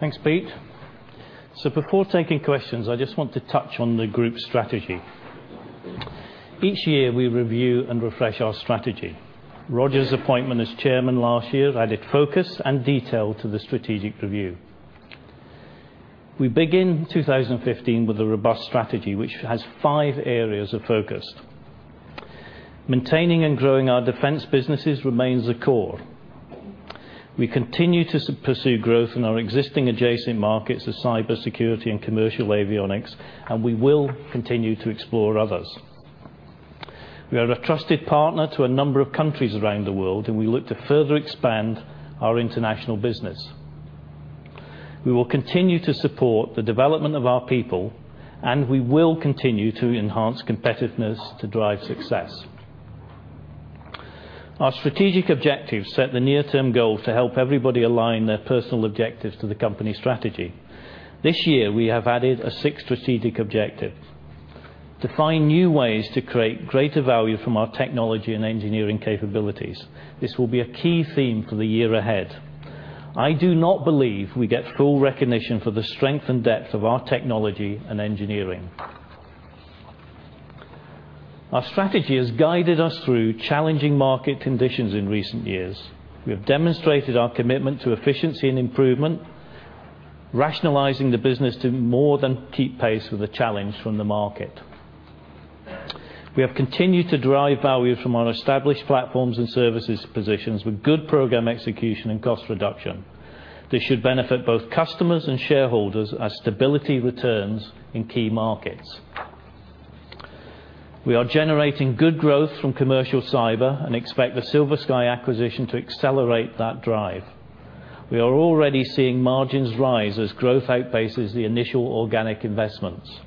Thanks, Pete. Before taking questions, I just want to touch on the group strategy. Each year, we review and refresh our strategy. Roger's appointment as chairman last year added focus and detail to the strategic review. We begin 2015 with a robust strategy, which has five areas of focus. Maintaining and growing our defense businesses remains the core. We continue to pursue growth in our existing adjacent markets, the cybersecurity and commercial avionics, and we will continue to explore others. We are a trusted partner to a number of countries around the world, and we look to further expand our international business. We will continue to support the development of our people, and we will continue to enhance competitiveness to drive success. Our strategic objectives set the near-term goal to help everybody align their personal objectives to the company strategy. This year, we have added a sixth strategic objective: to find new ways to create greater value from our technology and engineering capabilities. This will be a key theme for the year ahead. I do not believe we get full recognition for the strength and depth of our technology and engineering. Our strategy has guided us through challenging market conditions in recent years. We have demonstrated our commitment to efficiency and improvement, rationalizing the business to more than keep pace with the challenge from the market. We have continued to derive value from our established platforms and services positions with good program execution and cost reduction. This should benefit both customers and shareholders as stability returns in key markets. We are generating good growth from commercial cyber and expect the SilverSky acquisition to accelerate that drive. We are already seeing margins rise as growth outpaces the initial organic investments.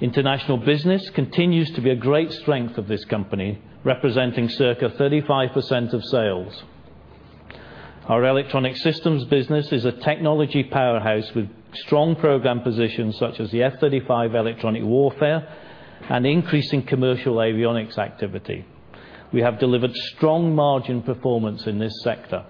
International business continues to be a great strength of this company, representing circa 35% of sales. Our Electronic Systems business is a technology powerhouse with strong program positions such as the F-35 electronic warfare and increasing commercial avionics activity. We have delivered strong margin performance in this sector.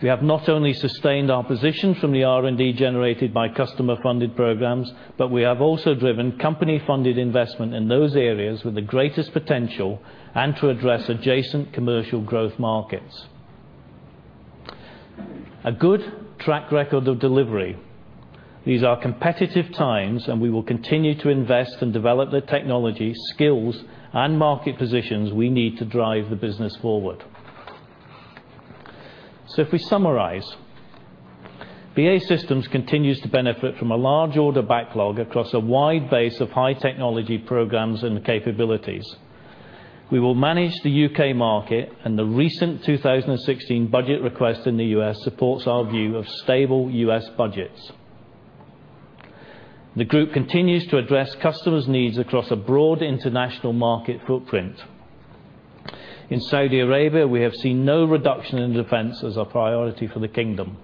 We have not only sustained our position from the R&D generated by customer-funded programs, but we have also driven company-funded investment in those areas with the greatest potential and to address adjacent commercial growth markets. A good track record of delivery. These are competitive times, and we will continue to invest and develop the technology, skills, and market positions we need to drive the business forward. If we summarize, BAE Systems continues to benefit from a large order backlog across a wide base of high technology programs and capabilities. We will manage the U.K. market, the recent 2016 budget request in the U.S. supports our view of stable U.S. budgets. The group continues to address customers' needs across a broad international market footprint. In Saudi Arabia, we have seen no reduction in defense as a priority for the kingdom.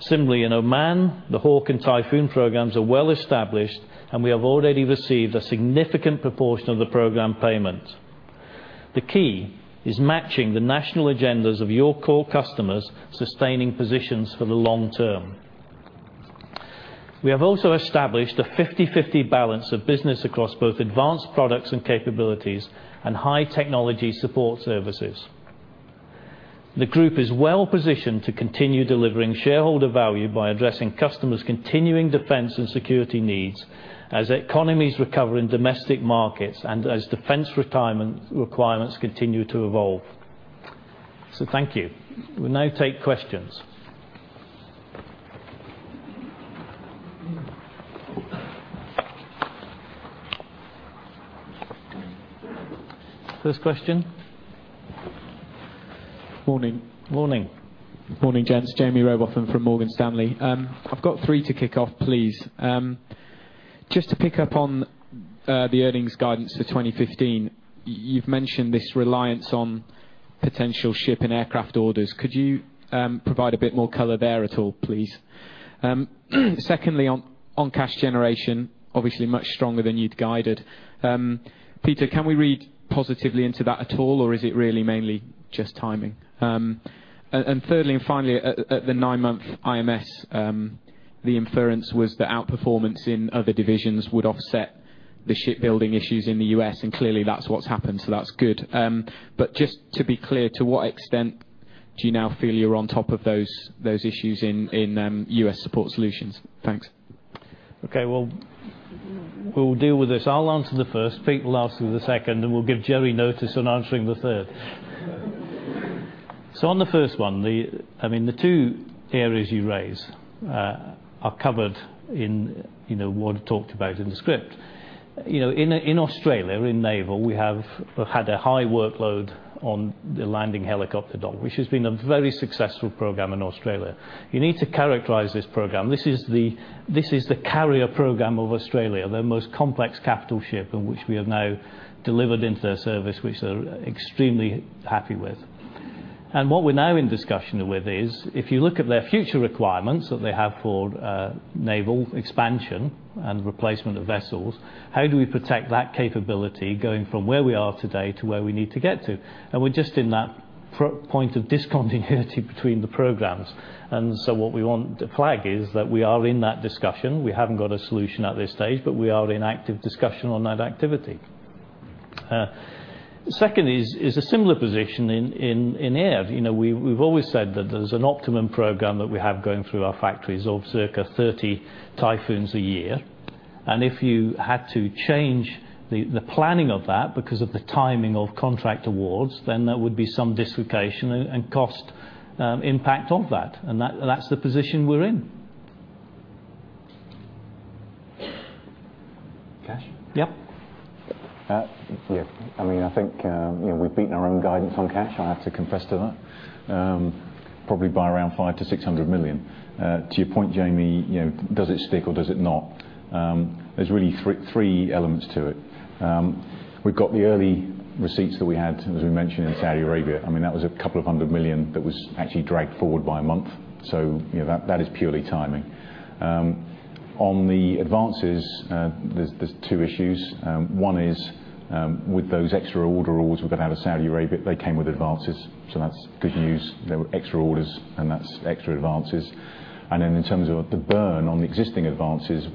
Similarly, in Oman, the Hawk and Typhoon programs are well-established, and we have already received a significant proportion of the program payment. The key is matching the national agendas of your core customers, sustaining positions for the long term. We have also established a 50/50 balance of business across both advanced products and capabilities and high technology support services. The group is well-positioned to continue delivering shareholder value by addressing customers' continuing defense and security needs as economies recover in domestic markets and as defense requirements continue to evolve. Thank you. We'll now take questions. First question. Morning. Morning. Morning, gents. Jamie Robathan from Morgan Stanley. I've got three to kick off, please. Just to pick up on the earnings guidance for 2015, you've mentioned this reliance on potential ship and aircraft orders. Could you provide a bit more color there at all, please? Secondly, on cash generation, obviously much stronger than you'd guided. Peter, can we read positively into that at all, or is it really mainly just timing? Thirdly and finally, at the nine-month IMS, the inference was that outperformance in other divisions would offset the shipbuilding issues in the U.S., clearly that's what's happened, so that's good. Just to be clear, to what extent do you now feel you're on top of those issues in U.S. Support Solutions? Thanks. Okay, we'll deal with this. I'll answer the first, Pete will answer the second, We'll give Jerry notice on answering the third. On the first one, the two areas you raise are covered in what I talked about in the script. In Australia, in Naval, we have had a high workload on the landing helicopter dock, which has been a very successful program in Australia. You need to characterize this program. This is the carrier program of Australia, their most complex capital ship, which we have now delivered into their service, which they're extremely happy with. What we're now in discussion with is, if you look at their future requirements that they have for naval expansion and replacement of vessels, how do we protect that capability going from where we are today to where we need to get to? We're just in that point of discontinuity between the programs. What we want to flag is that we are in that discussion. We haven't got a solution at this stage, but we are in active discussion on that activity. Second is a similar position in Air. We've always said that there's an optimum program that we have going through our factories of circa 30 Typhoons a year. If you had to change the planning of that because of the timing of contract awards, then there would be some dislocation and cost impact of that. That's the position we're in. Cash? Yep. I think, we've beaten our own guidance on cash, I have to confess to that, probably by around 500 million-600 million. To your point, Jamie, does it stick or does it not? There's really three elements to it. We've got the early receipts that we had, as we mentioned, in Saudi Arabia. That was a couple of hundred million GBP that was actually dragged forward by a month. That is purely timing. On the advances, there's two issues. One is, with those extra order awards we're going to have in Saudi Arabia, they came with advances, so that's good news. There were extra orders, and that's extra advances. In terms of the burn on the existing advances,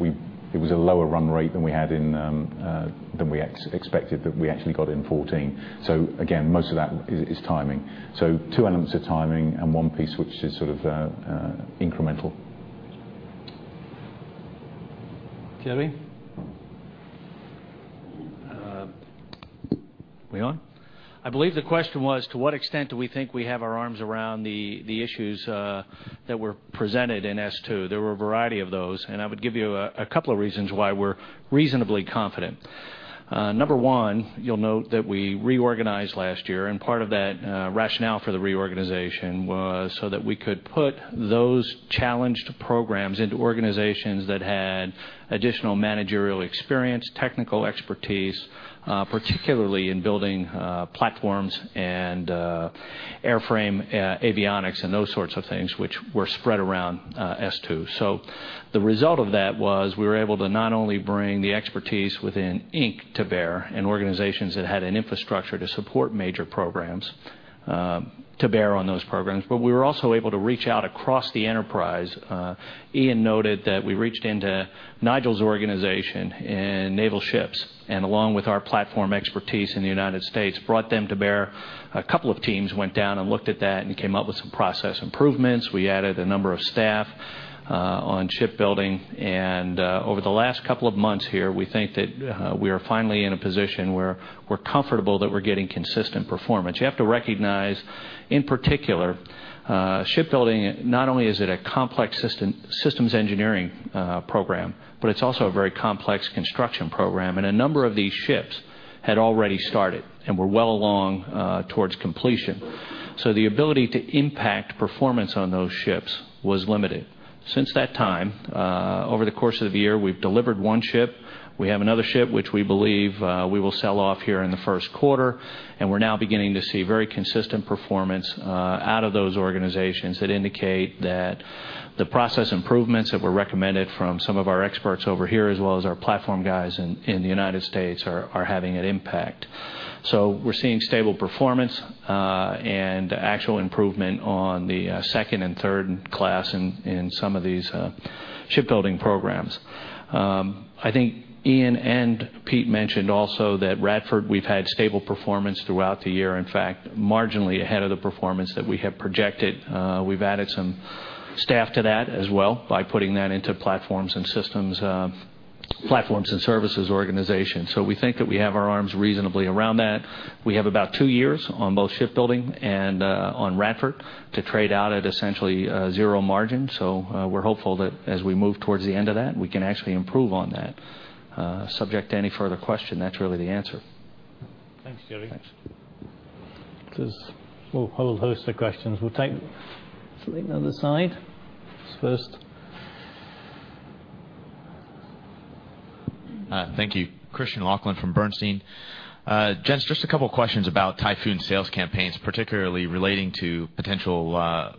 it was a lower run rate than we expected that we actually got in 2014. Again, most of that is timing. Two elements are timing and one piece which is incremental. Jerry? Are we on? I believe the question was, to what extent do we think we have our arms around the issues that were presented in S2? There were a variety of those, I would give you a couple of reasons why we're reasonably confident. Number one. You'll note that we reorganized last year, part of that rationale for the reorganization was so that we could put those challenged programs into organizations that had additional managerial experience, technical expertise, particularly in building platforms and airframe avionics and those sorts of things, which were spread around S2. The result of that was we were able to not only bring the expertise within Inc. to bear, and organizations that had an infrastructure to support major programs, to bear on those programs, but we were also able to reach out across the enterprise. Ian noted that we reached into Nigel's organization in naval ships, along with our platform expertise in the United States, brought them to bear. A couple of teams went down and looked at that and came up with some process improvements. We added a number of staff on shipbuilding. Over the last couple of months here, we think that we are finally in a position where we're comfortable that we're getting consistent performance. You have to recognize, in particular, shipbuilding, not only is it a complex systems engineering program, but it's also a very complex construction program. A number of these ships had already started and were well along towards completion. The ability to impact performance on those ships was limited. Since that time, over the course of the year, we've delivered one ship. We have another ship, which we believe we will sell off here in the first quarter. We're now beginning to see very consistent performance out of those organizations that indicate that the process improvements that were recommended from some of our experts over here, as well as our platform guys in the United States, are having an impact. We're seeing stable performance, and actual improvement on the class 2 and class 3 in some of these shipbuilding programs. I think Ian and Pete mentioned also that Radford, we've had stable performance throughout the year. In fact, marginally ahead of the performance that we have projected. We've added some staff to that as well by putting that into Platforms & Services organization. We think that we have our arms reasonably around that. We have about two years on both shipbuilding and on Radford to trade out at essentially zero margin. We're hopeful that as we move towards the end of that, we can actually improve on that. Subject to any further question, that's really the answer. Thanks, Jerry. Thanks. There's a whole host of questions. We'll take something on the side. Who's first? Thank you. Christian Laughlin from Bernstein. Gents, just a couple of questions about Typhoon sales campaigns, particularly relating to potential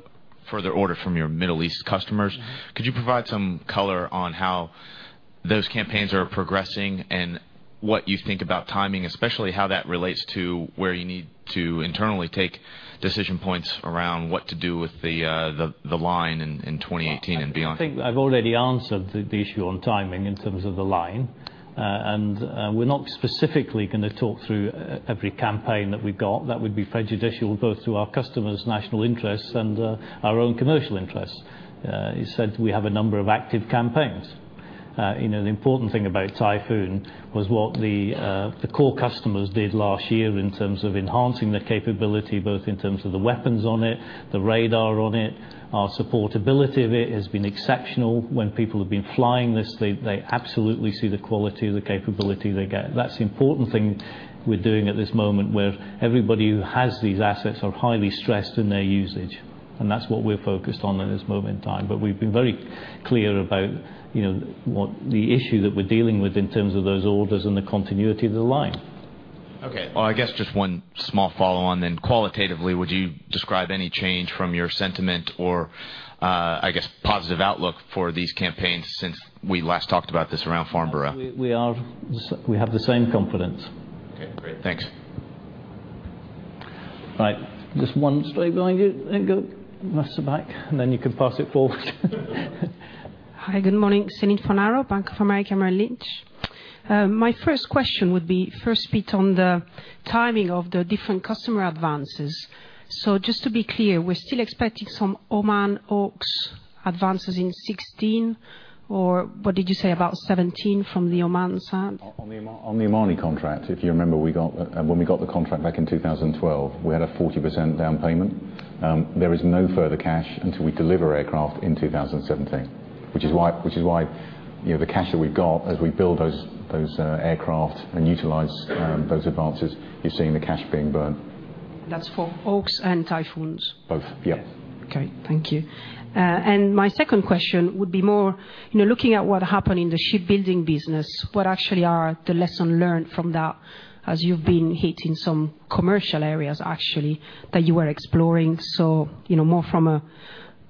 further order from your Middle East customers. Could you provide some color on how those campaigns are progressing and what you think about timing, especially how that relates to where you need to internally take decision points around what to do with the line in 2018 and beyond? I think I've already answered the issue on timing in terms of the line. We're not specifically going to talk through every campaign that we've got. That would be prejudicial both to our customers' national interests and our own commercial interests. As said, we have a number of active campaigns. The important thing about Typhoon was what the core customers did last year in terms of enhancing the capability, both in terms of the weapons on it, the radar on it. Our supportability of it has been exceptional. When people have been flying this, they absolutely see the quality, the capability they get. That's the important thing we're doing at this moment, where everybody who has these assets are highly stressed in their usage. That's what we're focused on at this moment in time. We've been very clear about the issue that we're dealing with in terms of those orders and the continuity of the line. Okay. Well, I guess just one small follow-on then. Qualitatively, would you describe any change from your sentiment or positive outlook for these campaigns since we last talked about this around Farnborough? We have the same confidence. Okay, great. Thanks. Right. Just one straight behind you, then go rest are back, then you can pass it forward. Hi, good morning. Céline Fornaro, Bank of America Merrill Lynch. My first question would be first bit on the timing of the different customer advances. Just to be clear, we're still expecting some Oman Hawks advances in 2016 or what did you say about 2017 from the Omani side? On the Omani contract, if you remember, when we got the contract back in 2012, we had a 40% down payment. There is no further cash until we deliver aircraft in 2017, which is why, the cash that we've got as we build those aircraft and utilize those advances, you're seeing the cash being burned. That's for Hawks and Typhoons. Both. Yep. Thank you. My second question would be more, looking at what happened in the shipbuilding business, what actually are the lesson learned from that as you've been hitting some commercial areas, actually, that you were exploring, so more from a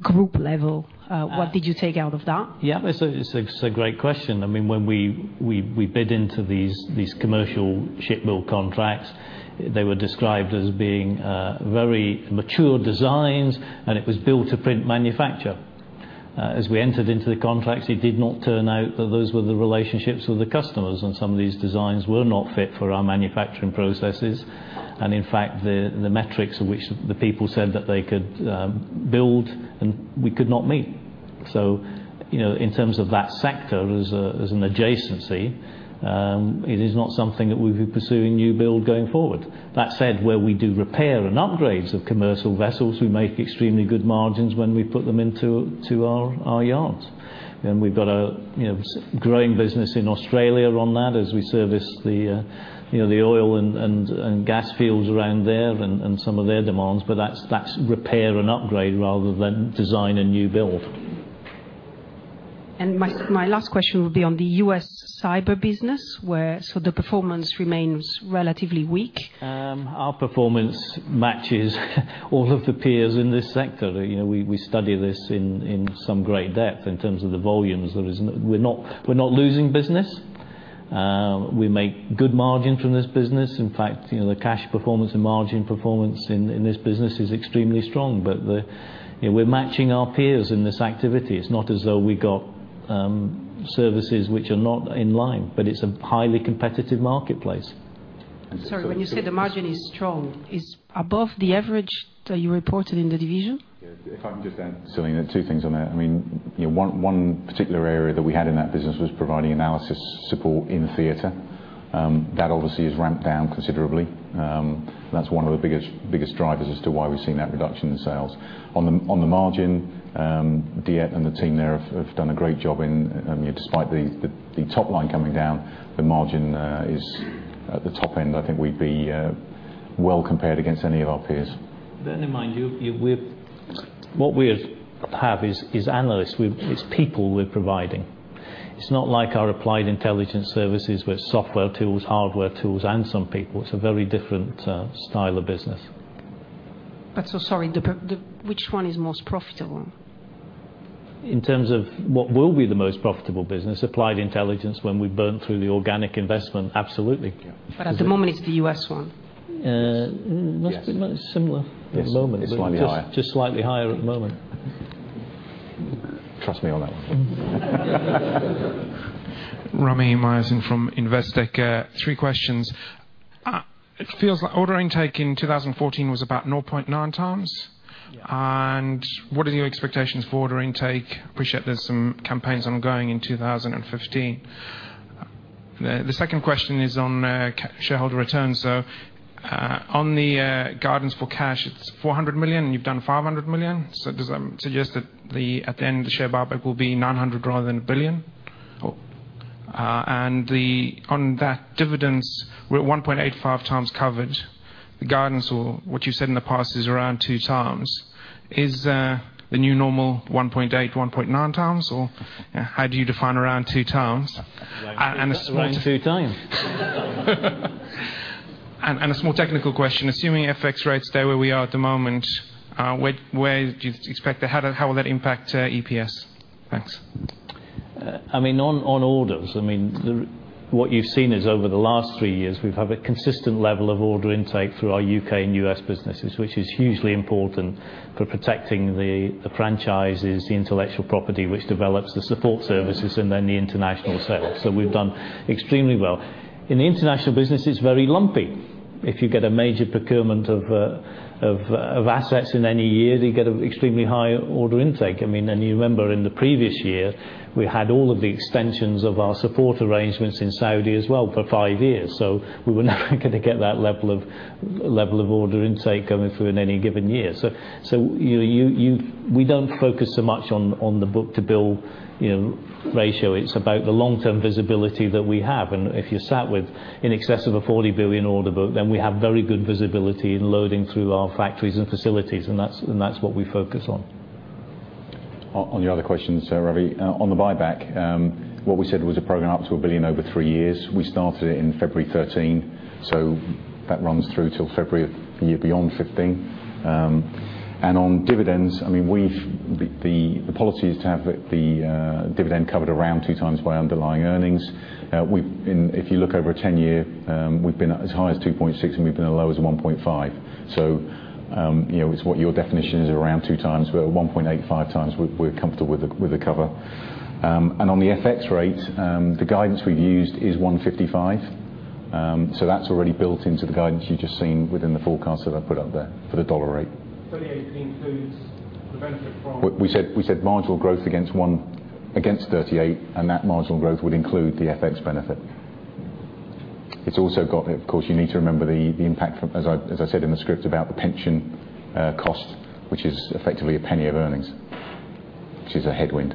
group level, what did you take out of that? Yeah. It's a great question. When we bid into these commercial ship build contracts, they were described as being very mature designs, and it was build-to-print manufacture. As we entered into the contracts, it did not turn out that those were the relationships with the customers, and some of these designs were not fit for our manufacturing processes. In fact, the metrics at which the people said that they could build, and we could not meet. In terms of that sector as an adjacency, it is not something that we'll be pursuing new build going forward. That said, where we do repair and upgrades of commercial vessels, we make extremely good margins when we put them into our yards. We've got a growing business in Australia on that as we service the oil and gas fields around there and some of their demands. That's repair and upgrade rather than design a new build. My last question would be on the U.S. cyber business, where the performance remains relatively weak. Our performance matches all of the peers in this sector. We study this in some great depth in terms of the volumes. We're not losing business. We make good margin from this business. In fact, the cash performance and margin performance in this business is extremely strong, but we're matching our peers in this activity. It's not as though we got services which are not in line, but it's a highly competitive marketplace. Sorry. When you say the margin is strong, it's above the average that you reported in the division? If I can just add, Céline, two things on there. One particular area that we had in that business was providing analysis support in theater. That obviously has ramped down considerably. That's one of the biggest drivers as to why we've seen that reduction in sales. On the margin, Dave and the team there have done a great job in, despite the top line coming down, the margin is at the top end. I think we'd be well compared against any of our peers. Bear in mind, what we have is analysts. It's people we're providing. It's not like our Applied Intelligence Services with software tools, hardware tools, and some people. It's a very different style of business. Sorry, which one is most profitable? In terms of what will be the most profitable business, Applied Intelligence when we've burned through the organic investment, absolutely. Yeah. At the moment, it's the U.S. one. Yes. Must be similar at the moment. It's slightly higher. Just slightly higher at the moment. Trust me on that one. Ravi Mediratta from Investec. Three questions. It feels like order intake in 2014 was about 0.9 times. Yeah. What are your expectations for order intake? Appreciate there's some campaigns ongoing in 2015. The second question is on shareholder returns. On the guidance for cash, it's 400 million, and you've done 500 million. Does that suggest that at the end, the share buyback will be 900 million rather than 1 billion? Oh. On that dividends, we're at 1.85 times covered. The guidance or what you said in the past is around two times. Is the new normal 1.8 to 1.9 times, or how do you define around two times? Around two times. A small technical question. Assuming FX rates stay where we are at the moment, how will that impact EPS? Thanks. On orders, what you've seen is over the last 3 years, we've have a consistent level of order intake through our U.K. and U.S. businesses, which is hugely important for protecting the franchises, the intellectual property, which develops the support services and then the international sales. We've done extremely well. In the international business, it's very lumpy. If you get a major procurement of assets in any year, you get extremely high order intake. You remember in the previous year, we had all of the extensions of our support arrangements in Saudi as well for 5 years. We were never going to get that level of order intake coming through in any given year. We don't focus so much on the book-to-bill ratio. It's about the long-term visibility that we have. If you're sat with in excess of a 40 billion order book, we have very good visibility in loading through our factories and facilities, and that's what we focus on. On your other question, Ravi, on the buyback, what we said was a program up to 1 billion over 3 years. We started it in February 2013, that runs through till February of year beyond 2015. On dividends, the policy is to have the dividend covered around 2 times by underlying earnings. If you look over a 10-year, we've been as high as 2.6, and we've been as low as a 1.5. It's what your definition is, around 2 times. We're at 1.85 times. We're comfortable with the cover. On the FX rate, the guidance we've used is 155. That's already built into the guidance you've just seen within the forecast that I've put up there for the USD rate. 38 includes the benefit from- We said marginal growth against 38, and that marginal growth would include the FX benefit. Of course, you need to remember the impact from, as I said in the script, about the pension cost, which is effectively GBP 0.01 of earnings, which is a headwind.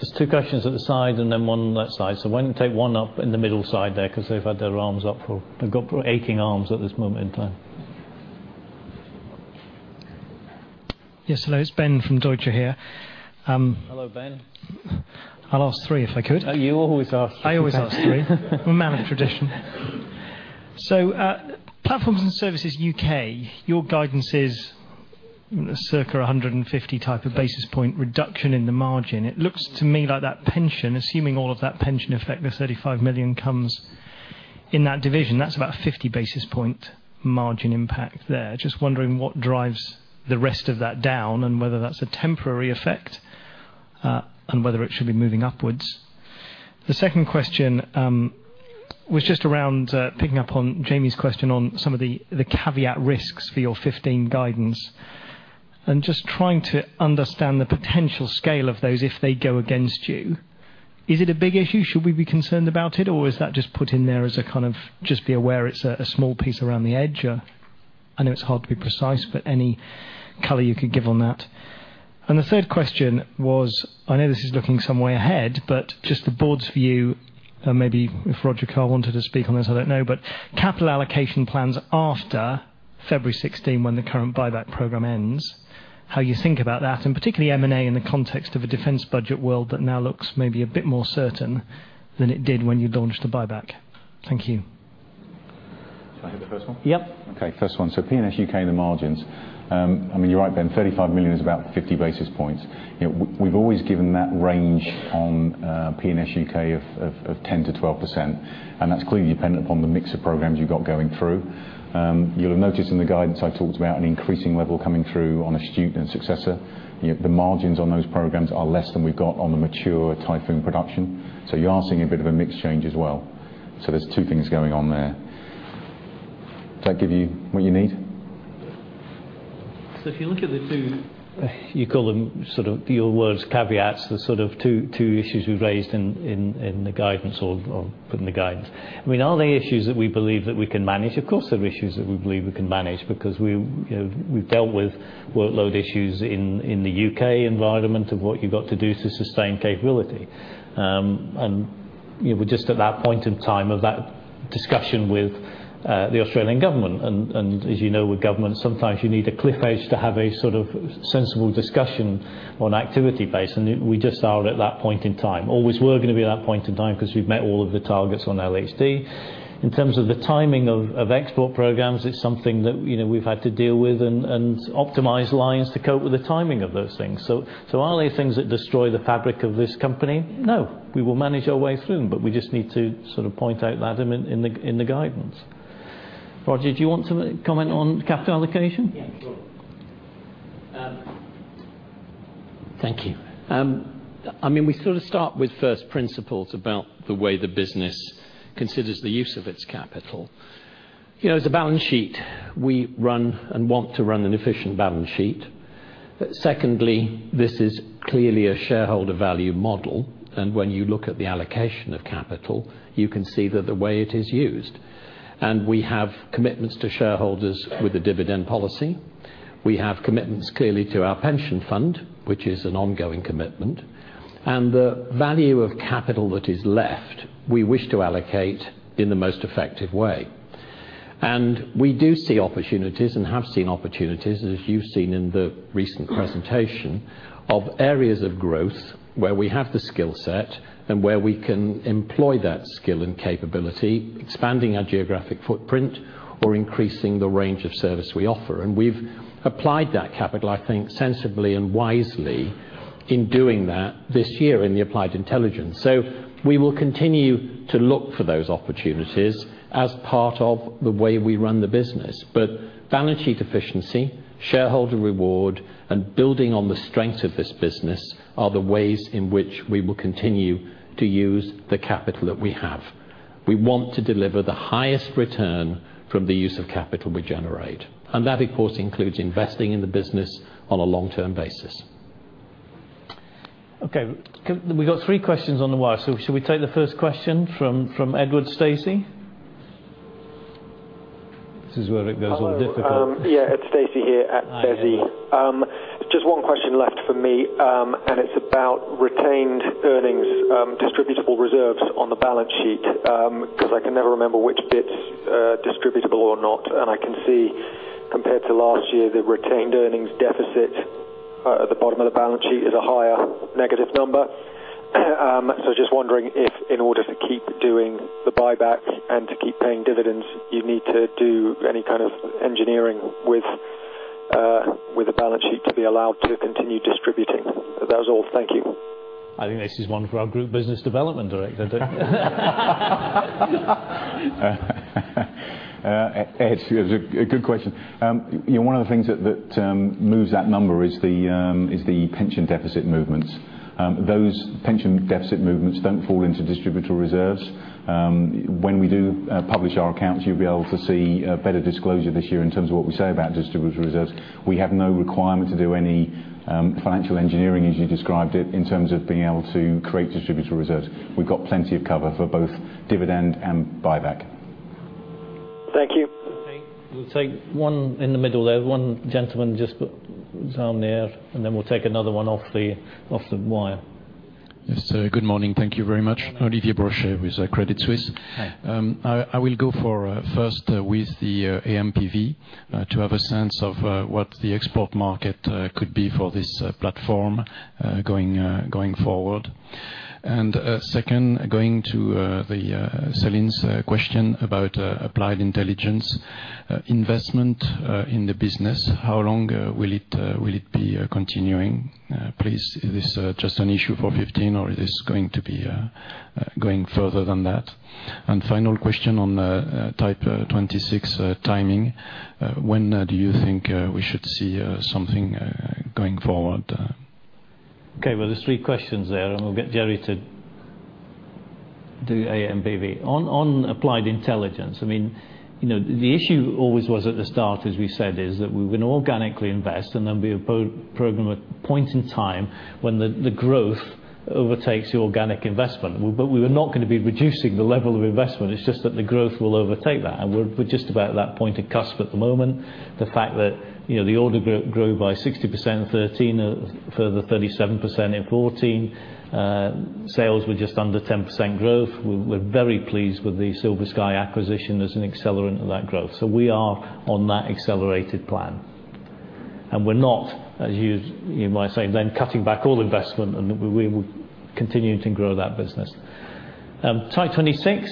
There's two questions at the side and then one on that side. Why don't we take one up in the middle side there? Because they've had their arms up. They've got aching arms at this moment in time. Yes, hello. It's Ben from Deutsche Bank here. Hello, Ben. I'll ask three if I could. You always ask three. I always ask three. I'm a man of tradition. Platforms and Services UK, your guidance is circa 150 type of basis point reduction in the margin. It looks to me like that pension, assuming all of that pension effect, the 35 million comes in that division. That's about a 50-basis-point margin impact there. Just wondering what drives the rest of that down and whether that's a temporary effect, and whether it should be moving upwards. The second question was just around picking up on Jamie's question on some of the caveat risks for your 2015 guidance, and just trying to understand the potential scale of those if they go against you. Is it a big issue? Should we be concerned about it, or is that just put in there as a kind of, just be aware it's a small piece around the edge? I know it's hard to be precise, but any color you could give on that. The third question was, I know this is looking some way ahead, but just the board's view, maybe if Roger Carr wanted to speak on this, I don't know, but capital allocation plans after February 2016 when the current buyback program ends, how you think about that, and particularly M&A in the context of a defense budget world that now looks maybe a bit more certain than it did when you launched the buyback. Thank you. Shall I have the first one? Yep. First one. P&S UK, the margins. You're right, Ben, 35 million is about 50 basis points. We've always given that range on P&S UK of 10%-12%, and that's clearly dependent upon the mix of programs you've got going through. You'll have noticed in the guidance I talked about an increasing level coming through on Astute and Successor. The margins on those programs are less than we've got on the mature Typhoon production. You are seeing a bit of a mix change as well. There's two things going on there. Did that give you what you need? If you look at the two, you call them, your words, caveats, the sort of two issues we've raised in the guidance or put in the guidance. Are they issues that we believe that we can manage? Of course, they're issues that we believe we can manage because we've dealt with workload issues in the U.K. environment of what you've got to do to sustain capability. We're just at that point in time of that discussion with the Australian government. As you know, with government, sometimes you need a cliff edge to have a sort of sensible discussion on activity base. We just are at that point in time. Always were going to be at that point in time because we've met all of the targets on LHD. In terms of the timing of export programs, it's something that we've had to deal with and optimize lines to cope with the timing of those things. Are they things that destroy the fabric of this company? No. We will manage our way through them, but we just need to sort of point out that in the guidance. Roger, do you want to comment on capital allocation? Yeah, sure. Thank you. We sort of start with first principles about the way the business considers the use of its capital. As a balance sheet, we run and want to run an efficient balance sheet. Secondly, this is clearly a shareholder value model, and when you look at the allocation of capital, you can see that the way it is used. We have commitments to shareholders with the dividend policy. We have commitments, clearly, to our pension fund, which is an ongoing commitment. The value of capital that is left, we wish to allocate in the most effective way. We do see opportunities and have seen opportunities, as you've seen in the recent presentation, of areas of growth where we have the skill set and where we can employ that skill and capability, expanding our geographic footprint or increasing the range of service we offer. We've applied that capital, I think, sensibly and wisely in doing that this year in the Applied Intelligence. We will continue to look for those opportunities as part of the way we run the business. Balance sheet efficiency, shareholder reward, and building on the strengths of this business are the ways in which we will continue to use the capital that we have. We want to deliver the highest return from the use of capital we generate. That, of course, includes investing in the business on a long-term basis. Okay. We got three questions on the wire. Should we take the first question from Edward Stacy? This is where it goes all difficult. Hello. Yeah, Ed Stacy here at DESI. Hi, Ed. Just one question left for me. It's about retained earnings, distributable reserves on the balance sheet, because I can never remember which bit's distributable or not. I can see, compared to last year, the retained earnings deficit at the bottom of the balance sheet is a higher negative number. Just wondering if in order to keep doing the buyback and to keep paying dividends, you need to do any kind of engineering with the balance sheet to be allowed to continue distributing. That was all. Thank you. I think this is one for our group business development director, don't you? It's a good question. One of the things that moves that number is the pension deficit movements. Those pension deficit movements don't fall into distributable reserves. When we do publish our accounts, you'll be able to see a better disclosure this year in terms of what we say about distributable reserves. We have no requirement to do any financial engineering, as you described it, in terms of being able to create distributable reserves. We've got plenty of cover for both dividend and buyback. Thank you. Okay. We'll take one in the middle there, one gentleman just down there, and then we'll take another one off the wire. Yes, good morning. Thank you very much. Olivier Brochet with Credit Suisse. Hi. I will go for, first, with the AMPV to have a sense of what the export market could be for this platform going forward. Second, going to Céline's question about Applied Intelligence investment in the business, how long will it be continuing? Please, is this just an issue for 2015, or it is going to be going further than that? Final question on Type 26 timing, when do you think we should see something going forward? Okay, well, there's three questions there, we'll get Jerry to do AMPV. On Applied Intelligence, the issue always was at the start, as we said, is that we would organically invest, there'll be a program at point in time when the growth overtakes the organic investment. We were not going to be reducing the level of investment, it's just that the growth will overtake that. We're just about at that point of cusp at the moment. The fact that the order grew by 60% in 2013, a further 37% in 2014. Sales were just under 10% growth. We're very pleased with the SilverSky acquisition as an accelerant of that growth. We are on that accelerated plan. We're not, as you might say, then cutting back all investment, we will continue to grow that business. Type 26,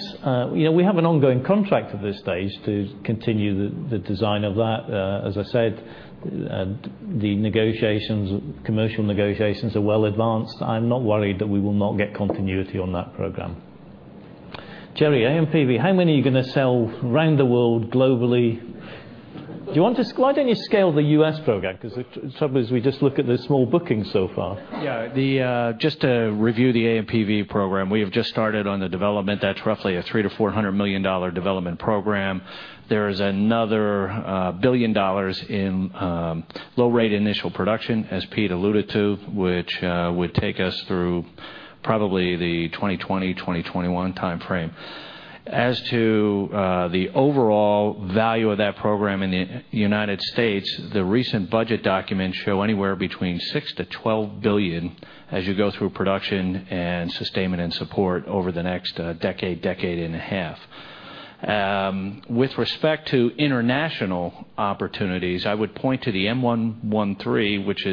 we have an ongoing contract at this stage to continue the design of that. As I said, the commercial negotiations are well advanced. I'm not worried that we will not get continuity on that program. Jerry, AMPV, how many are you going to sell around the world globally? Why don't you scale the U.S. program? Because it troubles me, just looking at the small bookings so far. Yeah. Just to review the AMPV program, we have just started on the development. That's roughly a $300 million-$400 million development program. There is another $1 billion in low-rate initial production, as Pete alluded to, which would take us through probably the 2020, 2021 timeframe. As to the overall value of that program in the U.S., the recent budget documents show anywhere between $6 billion-$12 billion as you go through production and sustainment and support over the next decade and a half. With respect to international opportunities, I would point to the M113, which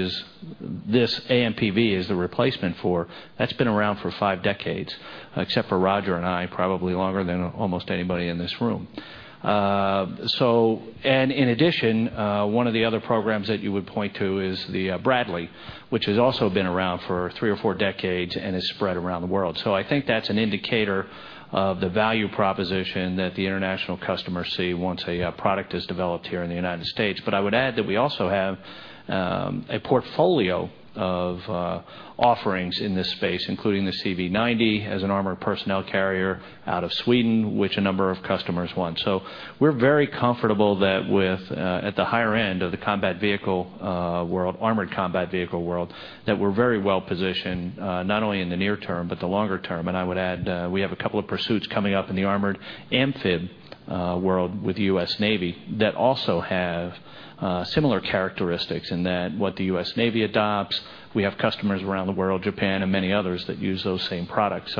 this AMPV is the replacement for. That's been around for five decades. Except for Roger and I, probably longer than almost anybody in this room. In addition, one of the other programs that you would point to is the Bradley, which has also been around for three or four decades and is spread around the world. I think that's an indicator of the value proposition that the international customers see once a product is developed here in the U.S. I would add that we also have a portfolio of offerings in this space, including the CV90 as an armored personnel carrier out of Sweden, which a number of customers want. We're very comfortable that at the higher end of the combat vehicle world, armored combat vehicle world, that we're very well-positioned, not only in the near term, but the longer term. I would add, we have a couple of pursuits coming up in the armored amphib world with the U.S. Navy that also have similar characteristics in that what the U.S. Navy adopts, we have customers around the world, Japan and many others, that use those same products.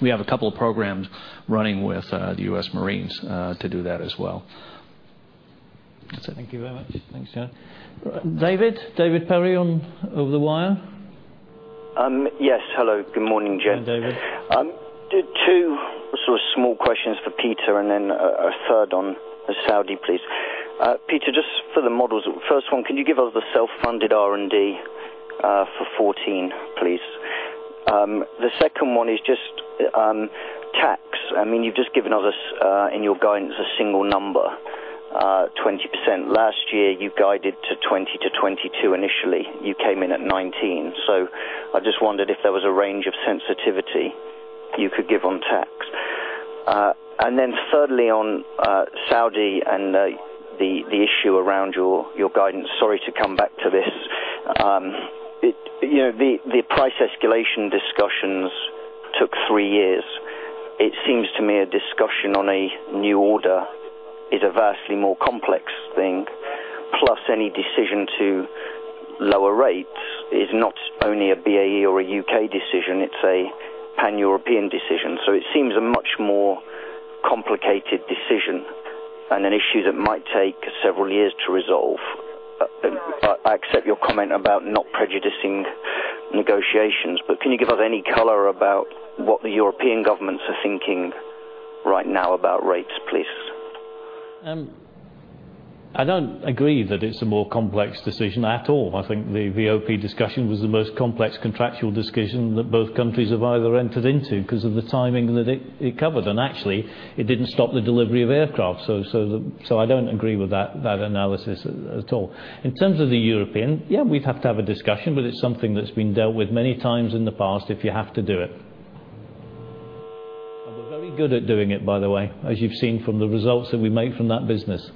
We have a couple of programs running with the U.S. Marines to do that as well. That's it. Thank you very much. Thanks, Jerry. David Perry over the wire. Yes. Hello. Good morning, gents. Hi, David. Two sort of small questions for Peter, then a third on the Saudi, please. Peter, just for the models, first one, can you give us the self-funded R&D for 2014, please? The second one is just tax. You've just given us in your guidance a single number, 20%. Last year, you guided to 20%-22% initially. You came in at 19%. I just wondered if there was a range of sensitivity you could give on tax. Then thirdly on Saudi and the issue around your guidance. Sorry to come back to this. The price escalation discussions took three years. It seems to me a discussion on a new order is a vastly more complex thing, plus any decision to lower rates is not only a BAE or a U.K. decision, it's a Pan-European decision. It seems a Complicated decision and an issue that might take several years to resolve. I accept your comment about not prejudicing negotiations, but can you give us any color about what the European governments are thinking right now about rates, please? I don't agree that it's a more complex decision at all. I think the VOP discussion was the most complex contractual discussion that both countries have either entered into because of the timing that it covered. Actually, it didn't stop the delivery of aircraft. I don't agree with that analysis at all. In terms of the European, yeah, we'd have to have a discussion, but it's something that's been dealt with many times in the past if you have to do it. We're very good at doing it, by the way, as you've seen from the results that we made from that business.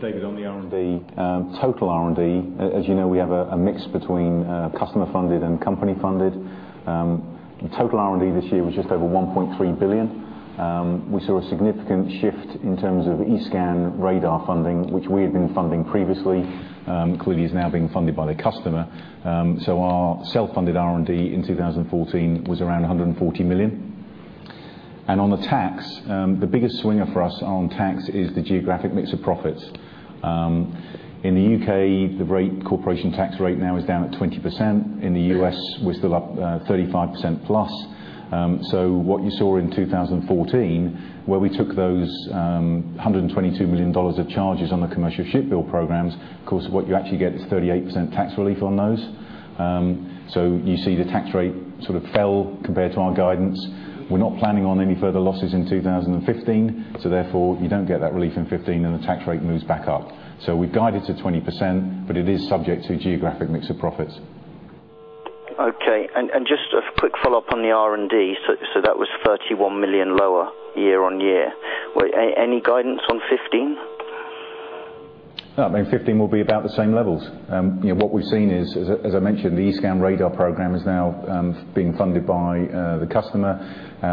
David, on the R&D, total R&D, as you know, we have a mix between customer-funded and company-funded. Total R&D this year was just over 1.3 billion. We saw a significant shift in terms of E-Scan radar funding, which we had been funding previously, clearly is now being funded by the customer. Our self-funded R&D in 2014 was around 140 million. On the tax, the biggest swinger for us on tax is the geographic mix of profits. In the U.K., the corporation tax rate now is down at 20%. In the U.S., we're still up 35% plus. What you saw in 2014, where we took those $122 million of charges on the commercial ship build programs, of course, what you actually get is 38% tax relief on those. You see the tax rate sort of fell compared to our guidance. We're not planning on any further losses in 2015, therefore you don't get that relief in 2015, the tax rate moves back up. We've guided to 20%, but it is subject to geographic mix of profits. Okay. Just a quick follow-up on the R&D. That was 31 million lower year-on-year. Any guidance on 2015? No, I mean, 2015 will be about the same levels. What we've seen is, as I mentioned, the E-Scan radar program is now being funded by the customer.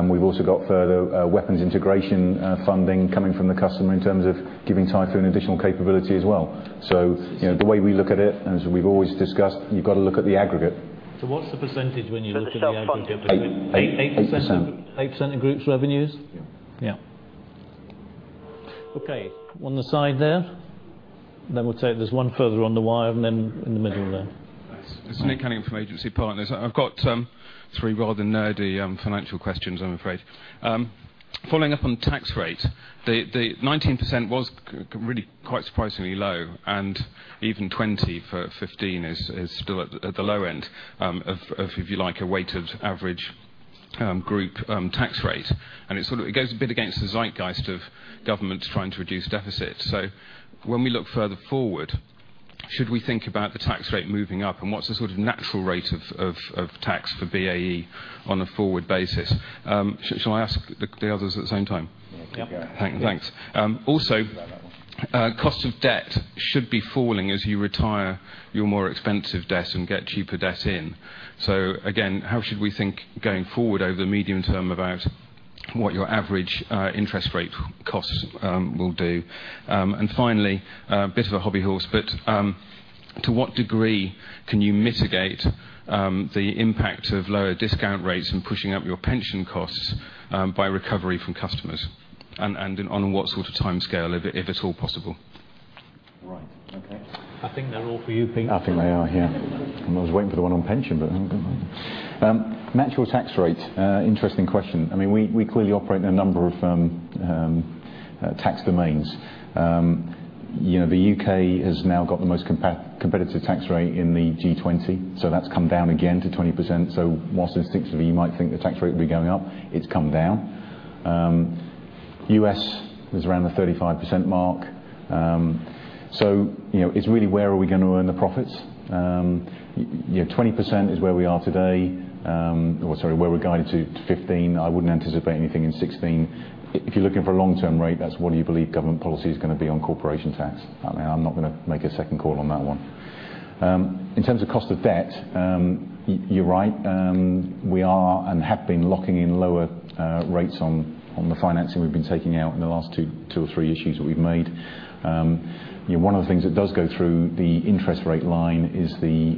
We've also got further weapons integration funding coming from the customer in terms of giving Typhoon additional capability as well. The way we look at it, as we've always discussed, you've got to look at the aggregate. What's the percentage when you look at the aggregate? The self-funded 8% 8% of group's revenues? Yeah. Yeah. Okay, on the side there. We'll take this one further on the wire and then in the middle there. Thanks. This is Nick Cunningham from Agency Partners. I've got three rather nerdy financial questions, I'm afraid. Following up on tax rate, the 19% was really quite surprisingly low, even 20 for 2015 is still at the low end of, if you like, a weighted average group tax rate. It sort of goes a bit against the zeitgeist of governments trying to reduce deficit. When we look further forward, should we think about the tax rate moving up, and what's the sort of natural rate of tax for BAE on a forward basis? Shall I ask the others at the same time? Yeah. Yeah. Thanks. Cost of debt should be falling as you retire your more expensive debt and get cheaper debt in. Again, how should we think going forward over the medium term about what your average interest rate costs will do? Finally, a bit of a hobby horse, but to what degree can you mitigate the impact of lower discount rates and pushing up your pension costs by recovery from customers? On what sort of timescale, if at all possible? Right. Okay. I think they're all for you, Peter. I think they are, yeah. I was waiting for the one on pension, but oh well. Natural tax rate, interesting question. We clearly operate in a number of tax domains. The U.K. has now got the most competitive tax rate in the G20, that's come down again to 20%. More instinctively, you might think the tax rate will be going up, it's come down. U.S. is around the 35% mark. It's really where are we going to earn the profits? 20% is where we are today. Sorry, where we're guided to 2015. I wouldn't anticipate anything in 2016. If you're looking for a long-term rate, that's what you believe government policy is going to be on corporation tax. I'm not going to make a second call on that one. In terms of cost of debt, you're right, we are and have been locking in lower rates on the financing we've been taking out in the last two or three issues that we've made. One of the things that does go through the interest rate line is the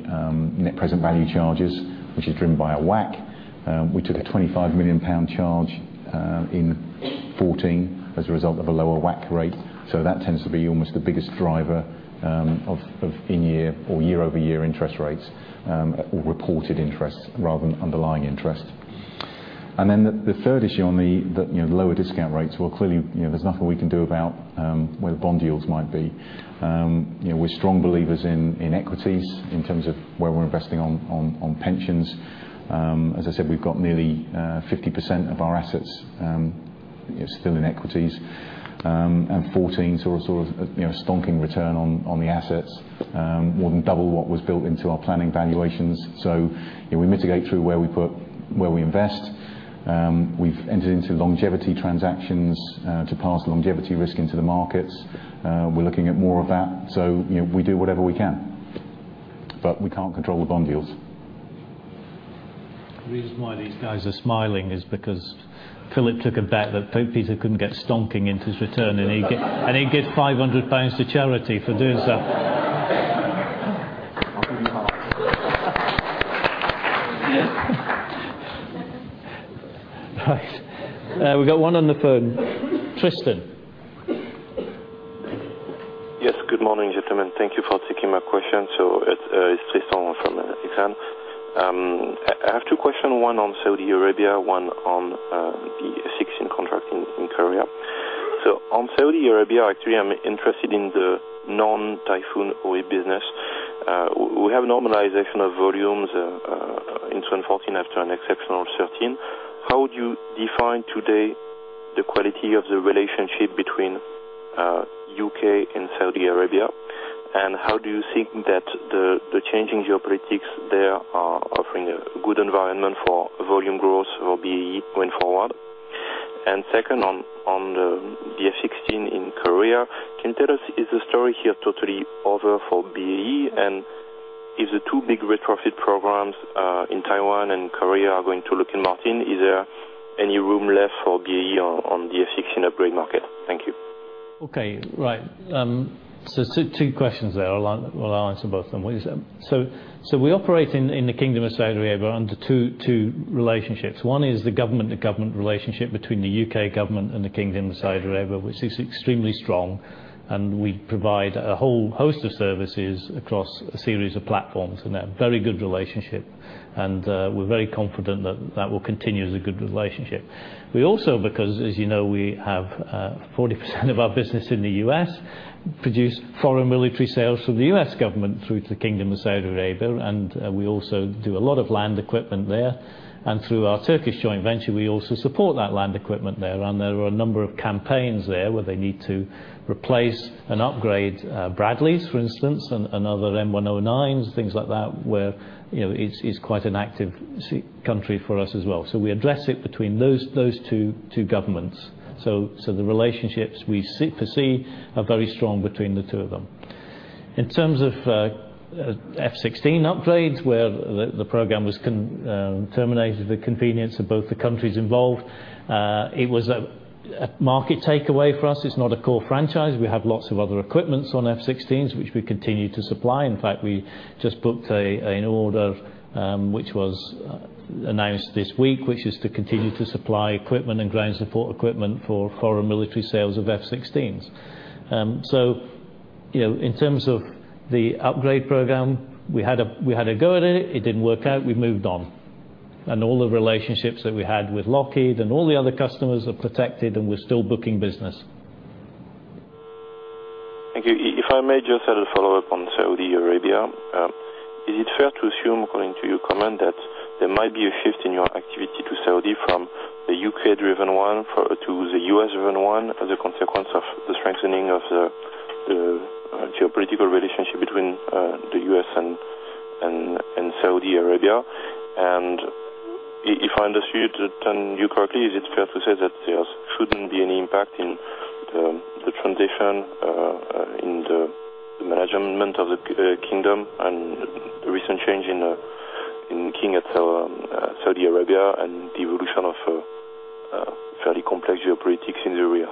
Net Present Value charges, which is driven by a WACC. We took a 25 million pound charge in 2014 as a result of a lower WACC rate. That tends to be almost the biggest driver of in-year or year-over-year interest rates, or reported interest rather than underlying interest. The third issue on the lower discount rates, well, clearly, there's nothing we can do about where the bond yields might be. We're strong believers in equities in terms of where we're investing on pensions. As I said, we've got nearly 50% of our assets still in equities, and 2014 saw a stonking return on the assets, more than double what was built into our planning valuations. We mitigate through where we invest. We've entered into longevity transactions to pass longevity risk into the markets. We're looking at more of that. We do whatever we can. We can't control the bond yields. The reason why these guys are smiling is because Philip took a bet that Peter couldn't get stonking into his return and he'd give 500 pounds to charity for doing so. I'll give you half. Right. We've got one on the phone. Tristan. Yes, good morning, gentlemen. Thank you for taking my question. It's Tristan from Exane. I have two question, one on Saudi Arabia, one on the F-16 contract in Korea. On Saudi Arabia, actually, I'm interested in the non-Typhoon OE business. We have normalization of volumes in 2014 after an exceptional 2013. How would you define today the quality of the relationship between U.K. and Saudi Arabia? How do you think that the changing geopolitics there are offering a good environment for volume growth for BAE going forward? Second, on the F-16 in Korea, can you tell us, is the story here totally over for BAE? If the two big retrofit programs in Taiwan and Korea are going to Lockheed Martin, is there any room left for BAE on the F-16 upgrade market? Thank you. Two questions there. Well, I'll answer both of them. We operate in the Kingdom of Saudi Arabia under two relationships. One is the government-to-government relationship between the U.K. government and the Kingdom of Saudi Arabia, which is extremely strong, and we provide a whole host of services across a series of platforms, and a very good relationship. We're very confident that that will continue as a good relationship. We also, because as you know, we have 40% of our business in the U.S., produce Foreign Military Sales from the U.S. government through to the Kingdom of Saudi Arabia, and we also do a lot of land equipment there. Through our Turkish joint venture, we also support that land equipment there, and there are a number of campaigns there where they need to replace and upgrade Bradleys, for instance, and other M109s, things like that, where it's quite an active country for us as well. We address it between those two governments. The relationships we foresee are very strong between the two of them. In terms of F-16 upgrades, where the program was terminated for the convenience of both the countries involved, it was a market takeaway for us. It's not a core franchise. We have lots of other equipments on F-16s, which we continue to supply. In fact, we just booked an order, which was announced this week, which is to continue to supply equipment and ground support equipment for Foreign Military Sales of F-16s. In terms of the upgrade program, we had a go at it didn't work out, we've moved on. All the relationships that we had with Lockheed and all the other customers are protected, and we're still booking business. Thank you. If I may just add a follow-up on Saudi Arabia. Is it fair to assume, according to your comment, that there might be a shift in your activity to Saudi from the U.K.-driven one to the U.S.-driven one as a consequence of the strengthening of the geopolitical relationship between the U.S. and Saudi Arabia? If I understood you correctly, is it fair to say that there shouldn't be any impact in the transition in the management of the kingdom and the recent change in king at Saudi Arabia and the evolution of fairly complex geopolitics in the area?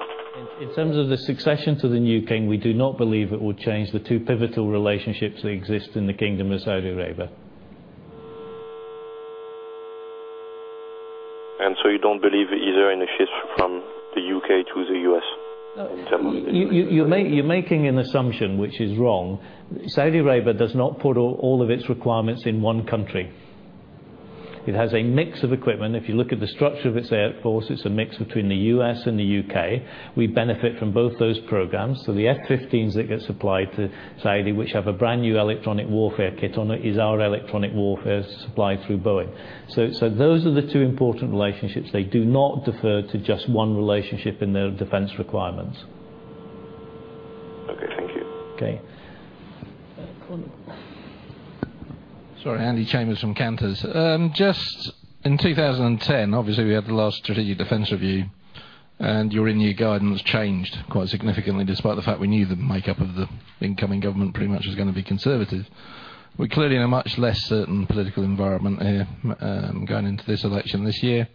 In terms of the succession to the new king, we do not believe it will change the two pivotal relationships that exist in the Kingdom of Saudi Arabia. You don't believe either in a shift from the U.K. to the U.S. in terms of the. You're making an assumption which is wrong. Saudi Arabia does not put all of its requirements in one country. It has a mix of equipment. If you look at the structure of its air force, it's a mix between the U.S. and the U.K. We benefit from both those programs. The F-15s that get supplied to Saudi, which have a brand-new electronic warfare kit on it, is our electronic warfare supplied through Boeing. Those are the two important relationships. They do not defer to just one relationship in their defense requirements. Okay, thank you. Okay. Conor. Sorry, Andy Chambers from Cantos. In 2010, obviously, we had the last Strategic Defence Review, and your annual guidance changed quite significantly, despite the fact we knew the makeup of the incoming government pretty much was going to be conservative. We're clearly in a much less certain political environment here going into this election this year.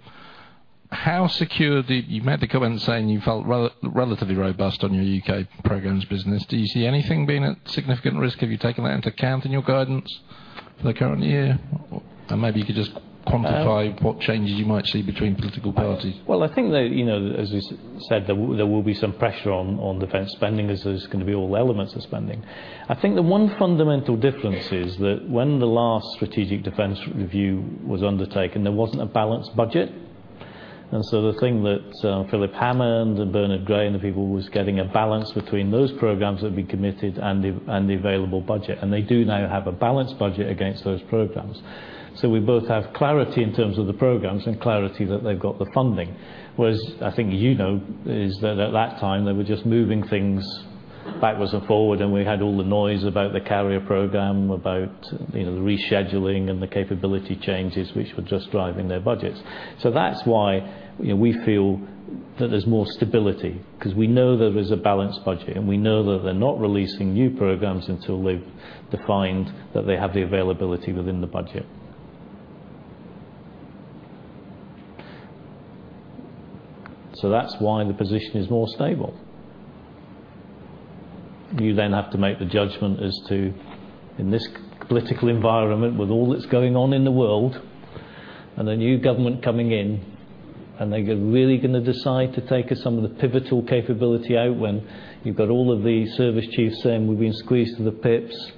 You made the comment saying you felt relatively robust on your U.K. programs business. Do you see anything being at significant risk? Have you taken that into account in your guidance for the current year? Maybe you could just quantify what changes you might see between political parties. I think that, as is said, there will be some pressure on defense spending, as there's going to be all elements of spending. I think the one fundamental difference is that when the last Strategic Defence Review was undertaken, there wasn't a balanced budget. The thing that Philip Hammond and Bernard Gray and the people was getting a balance between those programs that we committed and the available budget. They do now have a balanced budget against those programs. We both have clarity in terms of the programs and clarity that they've got the funding. Whereas I think you know is that at that time, they were just moving things backwards and forward, and we had all the noise about the Carrier program, about the rescheduling and the capability changes, which were just driving their budgets. That's why we feel that there's more stability, because we know there is a balanced budget, and we know that they're not releasing new programs until they've defined that they have the availability within the budget. That's why the position is more stable. You then have to make the judgment as to, in this political environment, with all that's going on in the world, a new government coming in, and they're really going to decide to take some of the pivotal capability out when you've got all of the service chiefs saying, "We've been squeezed to the pips."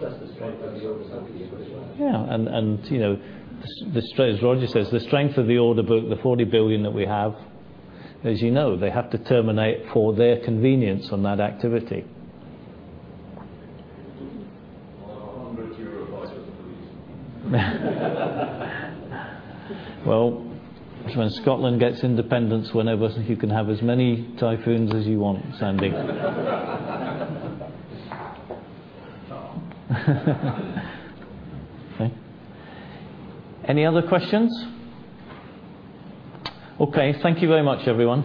That's the strength of the order book as well. Yeah. As Roger says, the strength of the order book, the 40 billion that we have, as you know, they have to terminate for their convenience on that activity. I wonder what your advice would have been. Well, when Scotland gets independence, whenever, you can have as many Typhoons as you want, Sandy. Oh. Okay. Any other questions? Okay. Thank you very much, everyone